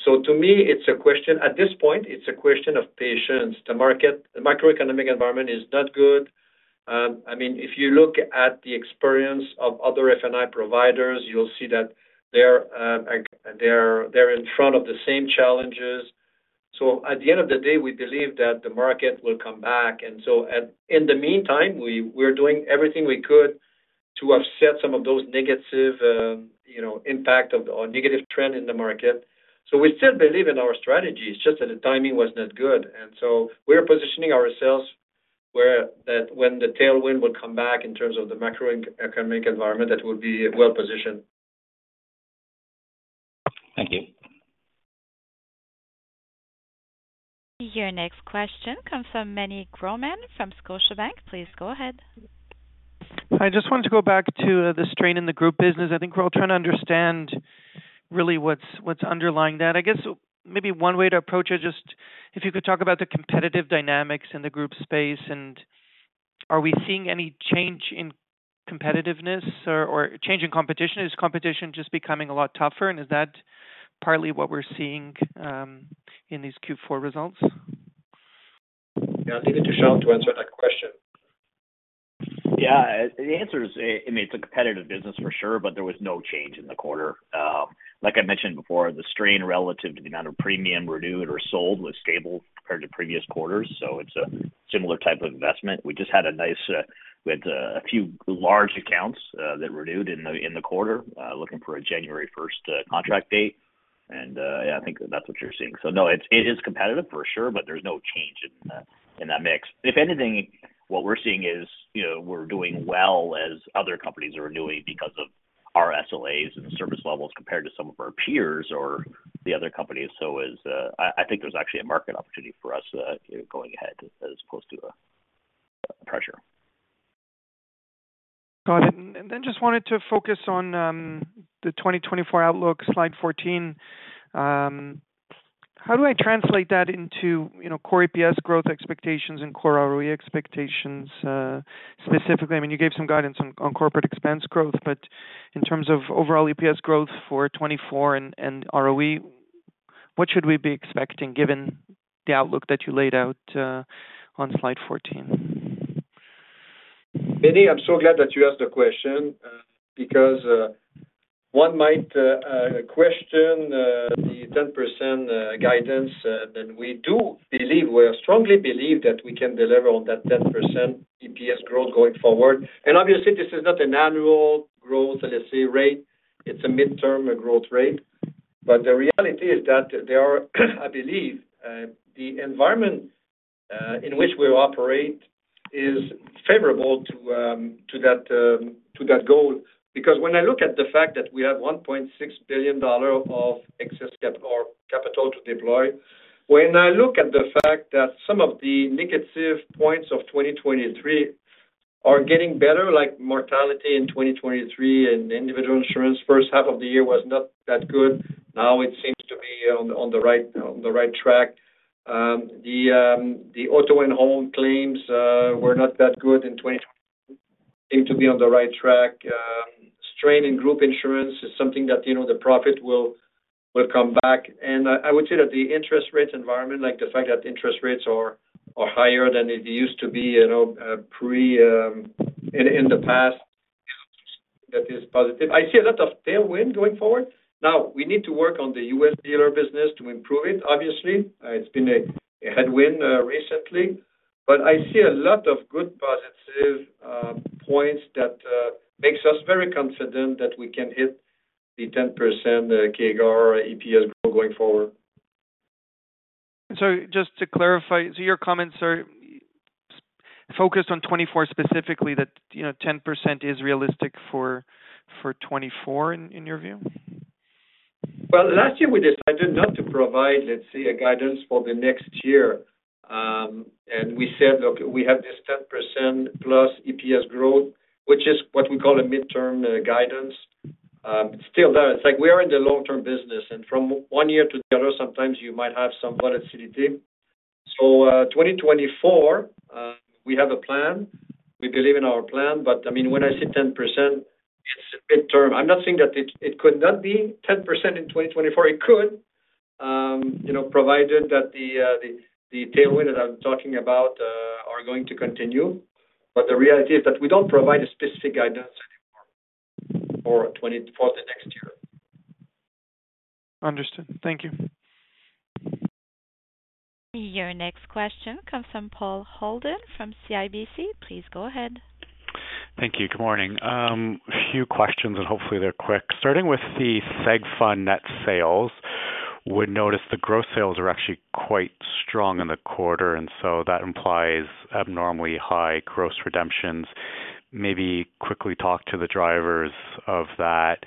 So to me, it's a question at this point, it's a question of patience. The microeconomic environment is not good. I mean, if you look at the experience of other F&I providers, you'll see that they're in front of the same challenges. So at the end of the day, we believe that the market will come back. And so in the meantime, we're doing everything we could to offset some of those negative impact or negative trend in the market. So we still believe in our strategies, just that the timing was not good. And so we're positioning ourselves where when the tailwind would come back in terms of the macroeconomic environment, that we'll be well-positioned. Thank you. Your next question comes from Meny Grauman from Scotiabank. Please go ahead. Hi. I just wanted to go back to the strain in the group business. I think we're all trying to understand really what's underlying that. I guess maybe one way to approach it, just if you could talk about the competitive dynamics in the group space, and are we seeing any change in competitiveness or change in competition? Is competition just becoming a lot tougher? And is that partly what we're seeing in these Q4 results? Yeah. I'll leave it to Sean to answer that question. Yeah. I mean, it's a competitive business for sure, but there was no change in the quarter. Like I mentioned before, the strain relative to the amount of premium renewed or sold was stable compared to previous quarters. So it's a similar type of investment. We just had a few large accounts that renewed in the quarter looking for a January 1st contract date. And yeah, I think that's what you're seeing. So no, it is competitive for sure, but there's no change in that mix. If anything, what we're seeing is we're doing well as other companies are renewing because of our SLAs and service levels compared to some of our peers or the other companies. So I think there's actually a market opportunity for us going ahead as opposed to pressure. Got it. And then just wanted to focus on the 2024 outlook, slide 14. How do I translate that into core EPS growth expectations and core ROE expectations specifically? I mean, you gave some guidance on corporate expense growth. But in terms of overall EPS growth for 2024 and ROE, what should we be expecting given the outlook that you laid out on slide 14? Meny, I'm so glad that you asked the question because one might question the 10% guidance. We do believe we strongly believe that we can deliver on that 10% EPS growth going forward. Obviously, this is not an annual growth, let's say, rate. It's a midterm growth rate. But the reality is that there are, I believe, the environment in which we operate is favorable to that goal. Because when I look at the fact that we have 1.6 billion dollars of excess capital to deploy, when I look at the fact that some of the negative points of 2023 are getting better, like mortality in 2023 in individual insurance, first half of the year was not that good. Now, it seems to be on the right track. The auto and home claims were not that good in 2023. Seem to be on the right track. Strain in group insurance is something that the profit will come back. And I would say that the interest rate environment, like the fact that interest rates are higher than they used to be in the past, is also something that is positive. I see a lot of tailwind going forward. Now, we need to work on the U.S. dealer business to improve it. Obviously, it's been a headwind recently. But I see a lot of good positive points that makes us very confident that we can hit the 10% CAGR EPS going forward. Just to clarify, so your comments are focused on 2024 specifically, that 10% is realistic for 2024 in your view? Well, last year, we decided not to provide, let's say, a guidance for the next year. We said, "Look, we have this 10%+ EPS growth," which is what we call a midterm guidance. It's still there. It's like we are in the long-term business. From one year to the other, sometimes you might have some volatility. 2024, we have a plan. We believe in our plan. I mean, when I say 10%, it's midterm. I'm not saying that it could not be 10% in 2024. It could, provided that the tailwind that I'm talking about are going to continue. The reality is that we don't provide a specific guidance anymore for the next year. Understood. Thank you. Your next question comes from Paul Holden from CIBC. Please go ahead. Thank you. Good morning. A few questions, and hopefully, they're quick. Starting with the seg fund net sales, we noticed the gross sales are actually quite strong in the quarter. And so that implies abnormally high gross redemptions. Maybe quickly talk to the drivers of that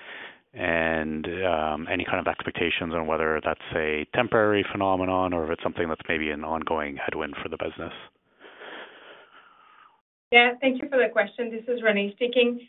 and any kind of expectations on whether that's a temporary phenomenon or if it's something that's maybe an ongoing headwind for the business. Yeah. Thank you for the question. This is Renée speaking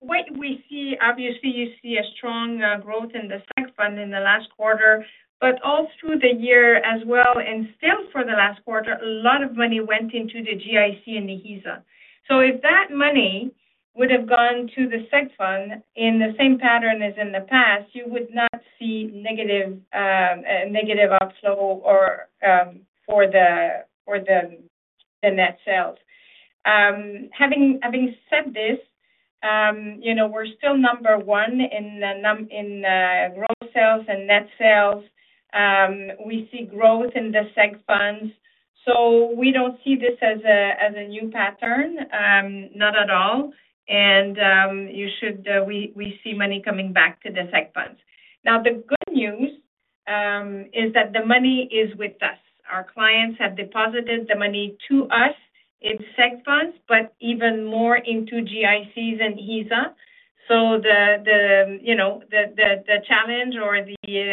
what we see, obviously, you see a strong growth in the seg fund in the last quarter, but all through the year as well. And still for the last quarter, a lot of money went into the GIC and the HISA. So if that money would have gone to the seg fund in the same pattern as in the past, you would not see negative outflow for the net sales. Having said this, we're still number one in gross sales and net sales. We see growth in the seg funds. So we don't see this as a new pattern, not at all. And we see money coming back to the seg funds. Now, the good news is that the money is with us. Our clients have deposited the money to us in seg funds, but even more into GICs and HISA. The challenge or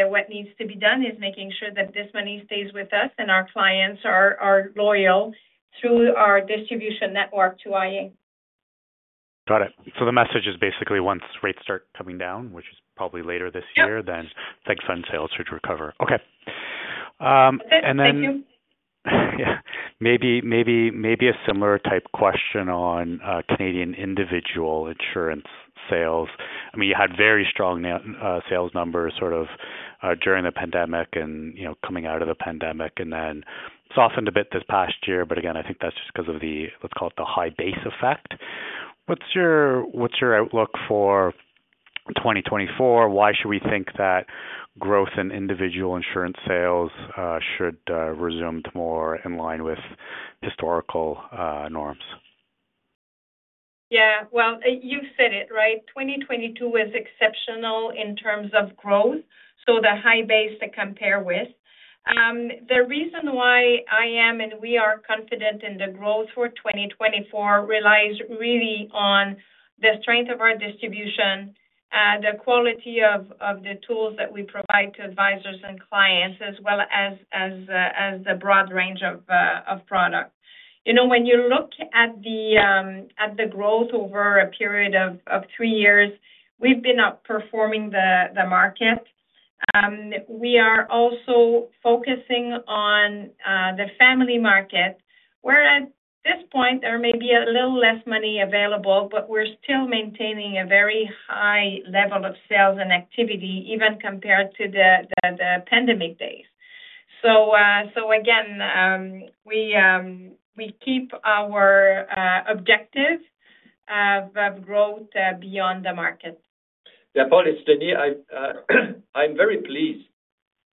what needs to be done is making sure that this money stays with us and our clients are loyal through our distribution network to iA. Got it. So the message is basically once rates start coming down, which is probably later this year, then seg fund sales should recover. Okay. And then. Thank you. Yeah. Maybe a similar type question on Canadian individual insurance sales. I mean, you had very strong sales numbers sort of during the pandemic and coming out of the pandemic. And then softened a bit this past year. But again, I think that's just because of the, let's call it, the high base effect. What's your outlook for 2024? Why should we think that growth in individual insurance sales should resume more in line with historical norms? Yeah. Well, you've said it, right? 2022 was exceptional in terms of growth. So the high base to compare with. The reason why I am and we are confident in the growth for 2024 relies really on the strength of our distribution, the quality of the tools that we provide to advisors and clients, as well as the broad range of product. When you look at the growth over a period of three years, we've been outperforming the market. We are also focusing on the family market, where at this point, there may be a little less money available, but we're still maintaining a very high level of sales and activity, even compared to the pandemic days. So again, we keep our objective of growth beyond the market. Yeah, Paul. It's Denis. I'm very pleased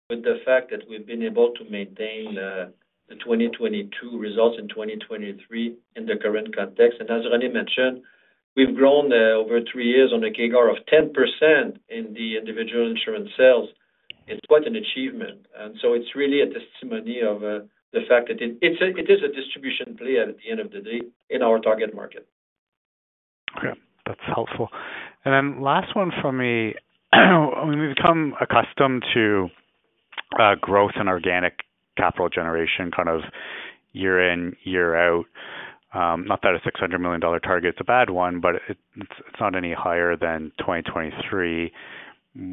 with the fact that we've been able to maintain the 2022 results in 2023 in the current context. As Renée mentioned, we've grown over three years on a CAGR of 10% in the individual insurance sales. It's quite an achievement. So it's really a testimony of the fact that it is a distribution play at the end of the day in our target market. Okay. That's helpful. And then last one from me. We've become accustomed to growth and organic capital generation kind of year in, year out. Not that a 600 million dollar target is a bad one, but it's not any higher than 2023.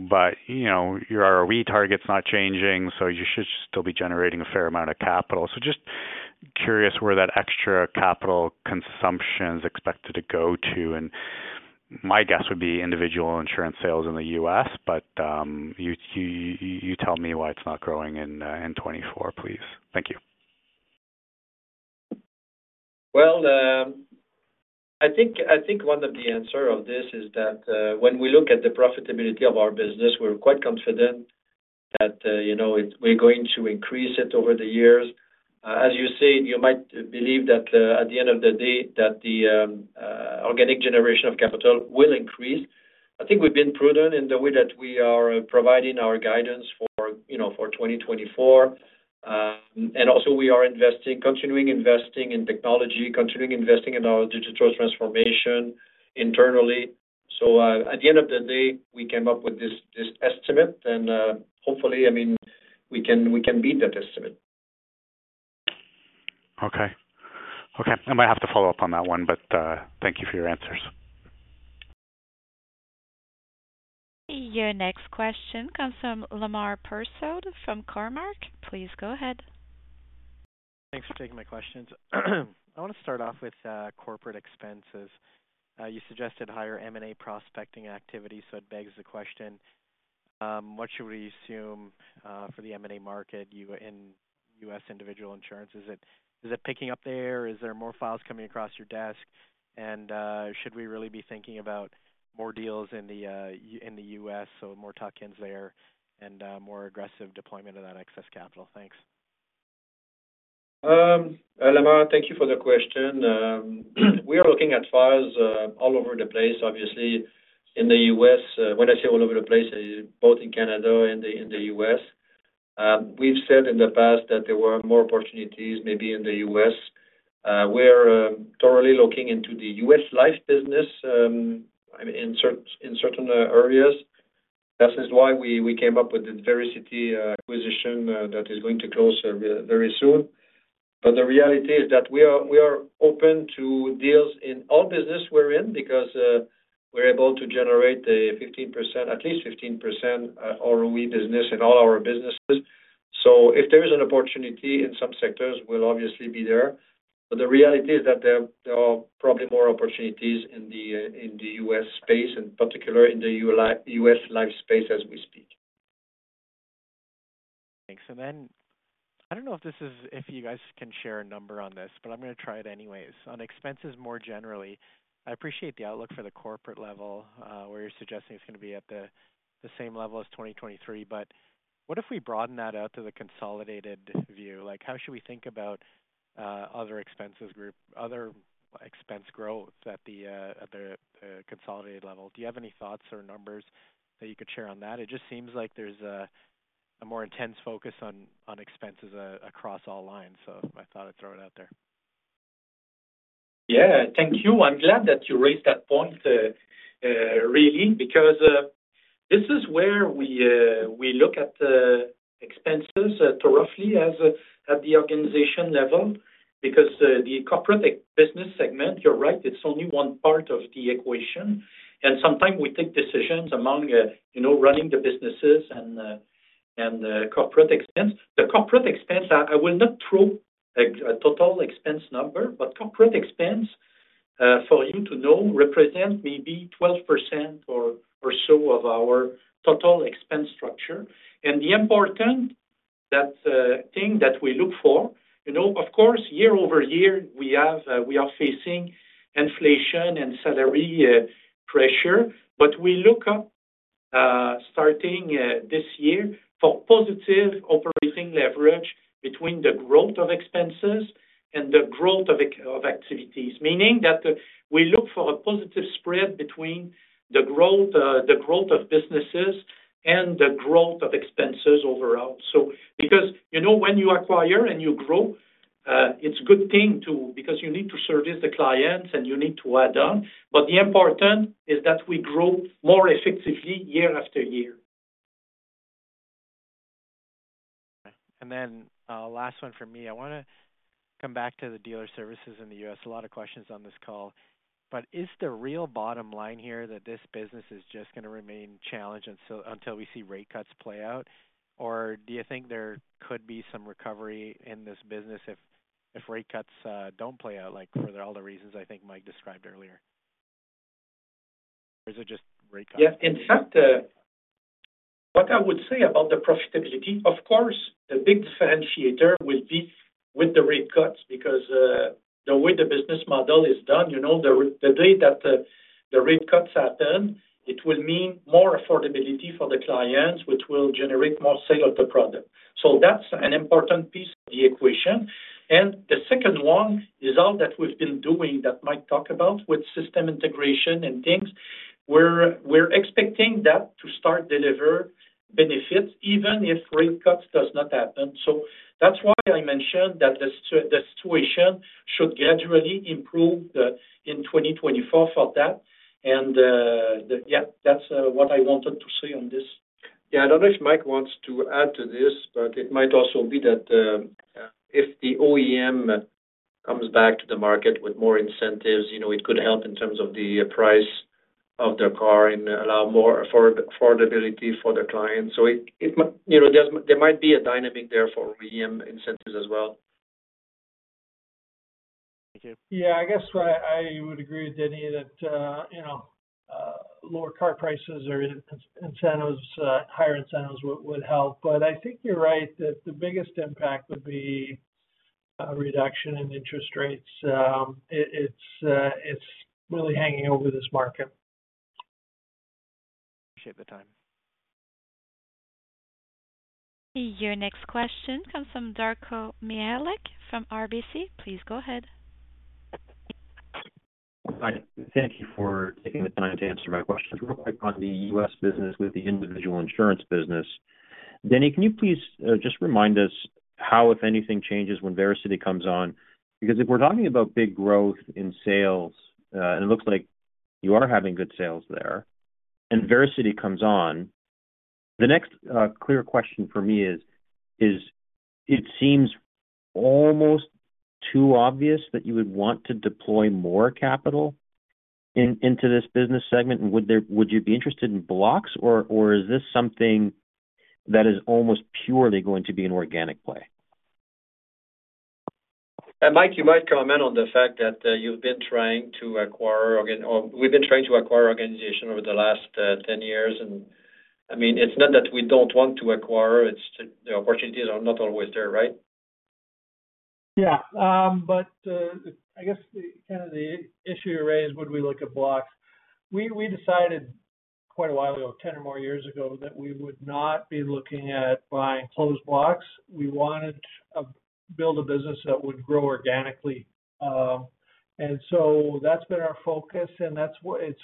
But your ROE target's not changing, so you should still be generating a fair amount of capital. So just curious where that extra capital consumption is expected to go to. And my guess would be individual insurance sales in the U.S. But you tell me why it's not growing in 2024, please. Thank you. Well, I think one of the answers of this is that when we look at the profitability of our business, we're quite confident that we're going to increase it over the years. As you said, you might believe that at the end of the day, that the organic generation of capital will increase. I think we've been prudent in the way that we are providing our guidance for 2024. And also, we are continuing investing in technology, continuing investing in our digital transformation internally. So at the end of the day, we came up with this estimate. And hopefully, I mean, we can beat that estimate. Okay. Okay. I might have to follow up on that one, but thank you for your answers. Your next question comes from Lemar Persaud from Cormark. Please go ahead. Thanks for taking my questions. I want to start off with corporate expenses. You suggested higher M&A prospecting activity. So it begs the question, what should we assume for the M&A market in U.S. individual insurance? Is it picking up there? Is there more files coming across your desk? And should we really be thinking about more deals in the U.S., so more tuck-ins there and more aggressive deployment of that excess capital? Thanks. Lemar, thank you for the question. We are looking at files all over the place. Obviously, in the U.S., when I say all over the place, both in Canada and in the U.S. We've said in the past that there were more opportunities maybe in the U.S. We're thoroughly looking into the US life business in certain areas. That is why we came up with the Vericity acquisition that is going to close very soon. But the reality is that we are open to deals in all business we're in because we're able to generate at least 15% ROE business in all our businesses. So if there is an opportunity in some sectors, we'll obviously be there. But the reality is that there are probably more opportunities in the U.S. space, in particular in the U.S. life space as we speak. Thanks. And then I don't know if you guys can share a number on this, but I'm going to try it anyways. On expenses more generally, I appreciate the outlook for the corporate level where you're suggesting it's going to be at the same level as 2023. But what if we broaden that out to the consolidated view? How should we think about other expenses group, other expense growth at the consolidated level? Do you have any thoughts or numbers that you could share on that? It just seems like there's a more intense focus on expenses across all lines. So I thought I'd throw it out there. Yeah. Thank you. I'm glad that you raised that point, really, because this is where we look at expenses roughly at the organization level. Because the corporate business segment, you're right, it's only one part of the equation. And sometimes we take decisions among running the businesses and corporate expense. The corporate expense, I will not throw a total expense number, but corporate expense, for you to know, represents maybe 12% or so of our total expense structure. And the important thing that we look for, of course, year-over-year, we are facing inflation and salary pressure. But we look up starting this year for positive operating leverage between the growth of expenses and the growth of activities, meaning that we look for a positive spread between the growth of businesses and the growth of expenses overall. Because when you acquire and you grow, it's a good thing because you need to service the clients and you need to add on. But the important is that we grow more effectively year after year. Okay. And then last one from me. I want to come back to the dealer services in the U.S. A lot of questions on this call. But is the real bottom line here that this business is just going to remain challenged until we see rate cuts play out? Or do you think there could be some recovery in this business if rate cuts don't play out for all the reasons I think Mike described earlier? Or is it just rate cuts? Yeah. In fact, what I would say about the profitability, of course, the big differentiator will be with the rate cuts because the way the business model is done, the day that the rate cuts happen, it will mean more affordability for the clients, which will generate more sale of the product. So that's an important piece of the equation. And the second one is all that we've been doing that Mike talked about with system integration and things. We're expecting that to start deliver benefits even if rate cuts do not happen. So that's why I mentioned that the situation should gradually improve in 2024 for that. And yeah, that's what I wanted to say on this. Yeah. I don't know if Mike wants to add to this, but it might also be that if the OEM comes back to the market with more incentives, it could help in terms of the price of their car and allow more affordability for the clients. So there might be a dynamic there for OEM incentives as well. Thank you. Yeah. I guess I would agree, Denis, that lower car prices or higher incentives would help. But I think you're right that the biggest impact would be reduction in interest rates. It's really hanging over this market. Appreciate the time. Your next question comes from Darko Mihelic from RBC. Please go ahead. Hi. Thank you for taking the time to answer my questions. Real quick on the U.S. business with the individual insurance business. Denis, can you please just remind us how, if anything, changes when Vericity comes on? Because if we're talking about big growth in sales, and it looks like you are having good sales there, and Vericity comes on, the next clear question for me is, it seems almost too obvious that you would want to deploy more capital into this business segment. And would you be interested in blocks, or is this something that is almost purely going to be an organic play? Mike, you might comment on the fact that we've been trying to acquire organizations over the last 10 years. I mean, it's not that we don't want to acquire. The opportunities are not always there, right? Yeah. But I guess kind of the issue you raised, would we look at blocks? We decided quite a while ago, 10 or more years ago, that we would not be looking at buying closed blocks. We wanted to build a business that would grow organically. And so that's been our focus. And it's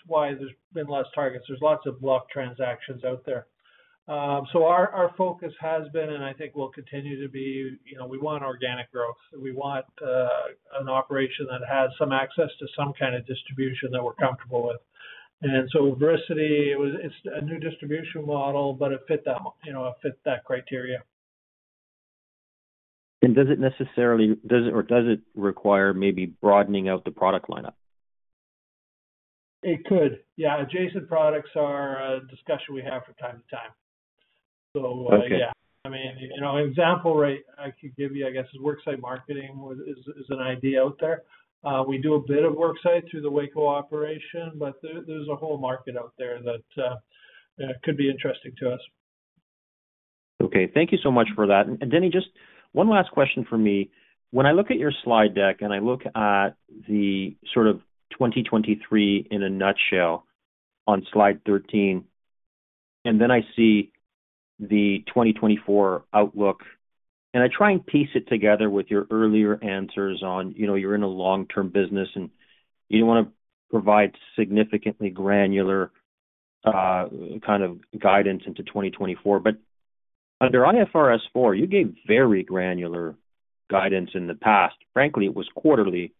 why there's been less targets. There's lots of block transactions out there. So our focus has been, and I think will continue to be, we want organic growth. We want an operation that has some access to some kind of distribution that we're comfortable with. And so Vericity, it's a new distribution model, but it fit that criteria. Does it necessarily or does it require maybe broadening out the product lineup? It could. Yeah. Adjacent products are a discussion we have from time to time. So yeah. I mean, an example I could give you, I guess, is worksite marketing is an idea out there. We do a bit of worksite through the Waco operation, but there's a whole market out there that could be interesting to us. Okay. Thank you so much for that. And Denis, just one last question for me. When I look at your slide deck and I look at the sort of 2023 in a nutshell on slide 13, and then I see the 2024 outlook, and I try and piece it together with your earlier answers on you're in a long-term business and you don't want to provide significantly granular kind of guidance into 2024. But under IFRS 4, you gave very granular guidance in the past. Frankly, it was quarterly.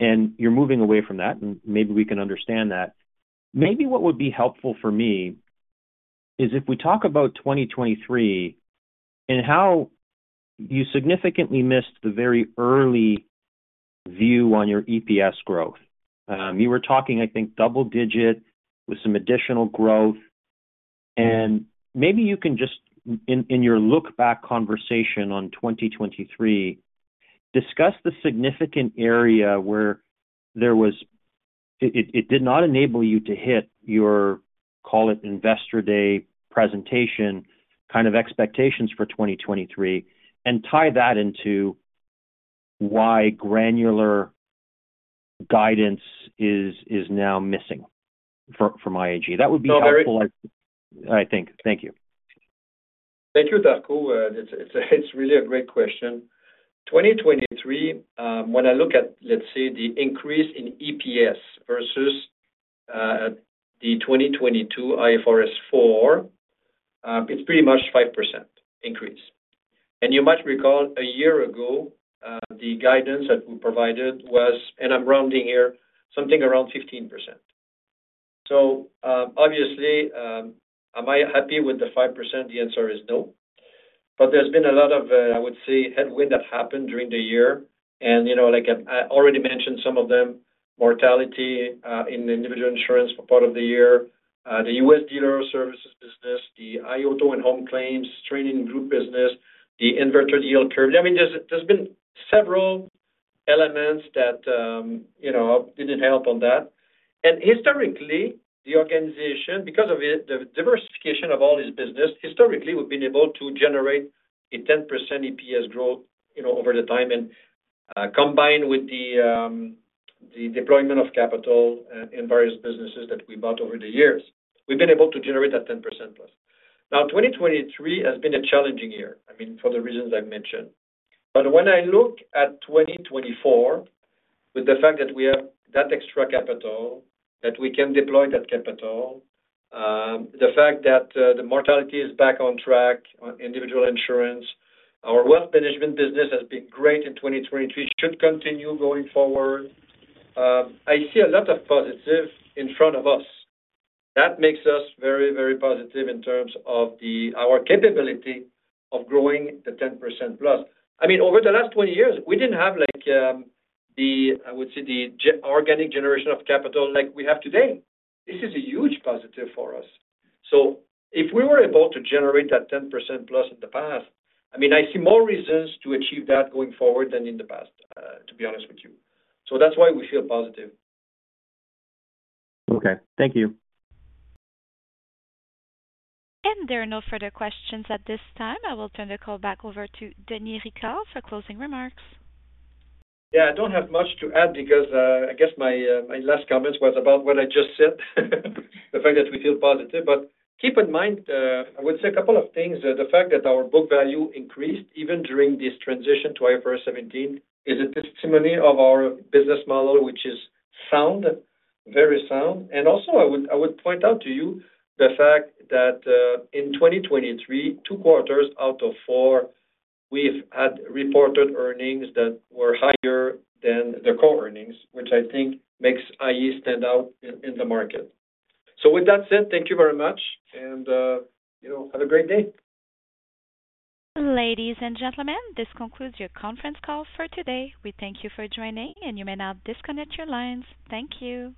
And you're moving away from that, and maybe we can understand that. Maybe what would be helpful for me is if we talk about 2023 and how you significantly missed the very early view on your EPS growth. You were talking, I think, double-digit with some additional growth. Maybe you can just, in your look-back conversation on 2023, discuss the significant area where it did not enable you to hit your, call it, Investor Day presentation kind of expectations for 2023 and tie that into why granular guidance is now missing from IAG. That would be helpful, I think. Thank you. Thank you, Darko. It's really a great question. 2023, when I look at, let's say, the increase in EPS versus the 2022 IFRS 4, it's pretty much 5% increase. You might recall a year ago, the guidance that we provided was, and I'm rounding here, something around 15%. So obviously, am I happy with the 5%? The answer is no. But there's been a lot of, I would say, headwind that happened during the year. I already mentioned some of them: mortality in individual insurance for part of the year, the U.S. dealer services business, the iA Auto and Home claims training group business, the inverted yield curve. I mean, there's been several elements that didn't help on that. Historically, the organization, because of the diversification of all this business, historically, we've been able to generate a 10% EPS growth over the time. And combined with the deployment of capital in various businesses that we bought over the years, we've been able to generate that 10%+. Now, 2023 has been a challenging year, I mean, for the reasons I've mentioned. But when I look at 2024 with the fact that we have that extra capital, that we can deploy that capital, the fact that the mortality is back on track on individual insurance, our wealth management business has been great in 2023, should continue going forward, I see a lot of positive in front of us. That makes us very, very positive in terms of our capability of growing the 10%+. I mean, over the last 20 years, we didn't have the, I would say, the organic generation of capital like we have today. This is a huge positive for us. So if we were able to generate that 10%+ in the past, I mean, I see more reasons to achieve that going forward than in the past, to be honest with you. So that's why we feel positive. Okay. Thank you. There are no further questions at this time. I will turn the call back over to Denis Ricard for closing remarks. Yeah. I don't have much to add because I guess my last comment was about what I just said, the fact that we feel positive. But keep in mind, I would say, a couple of things. The fact that our book value increased even during this transition to IFRS 17 is a testimony of our business model, which is sound, very sound. And also, I would point out to you the fact that in 2023, two quarters out of four, we've had reported earnings that were higher than the core earnings, which I think makes iA stand out in the market. So with that said, thank you very much. And have a great day. Ladies and gentlemen, this concludes your conference call for today. We thank you for joining, and you may now disconnect your lines. Thank you.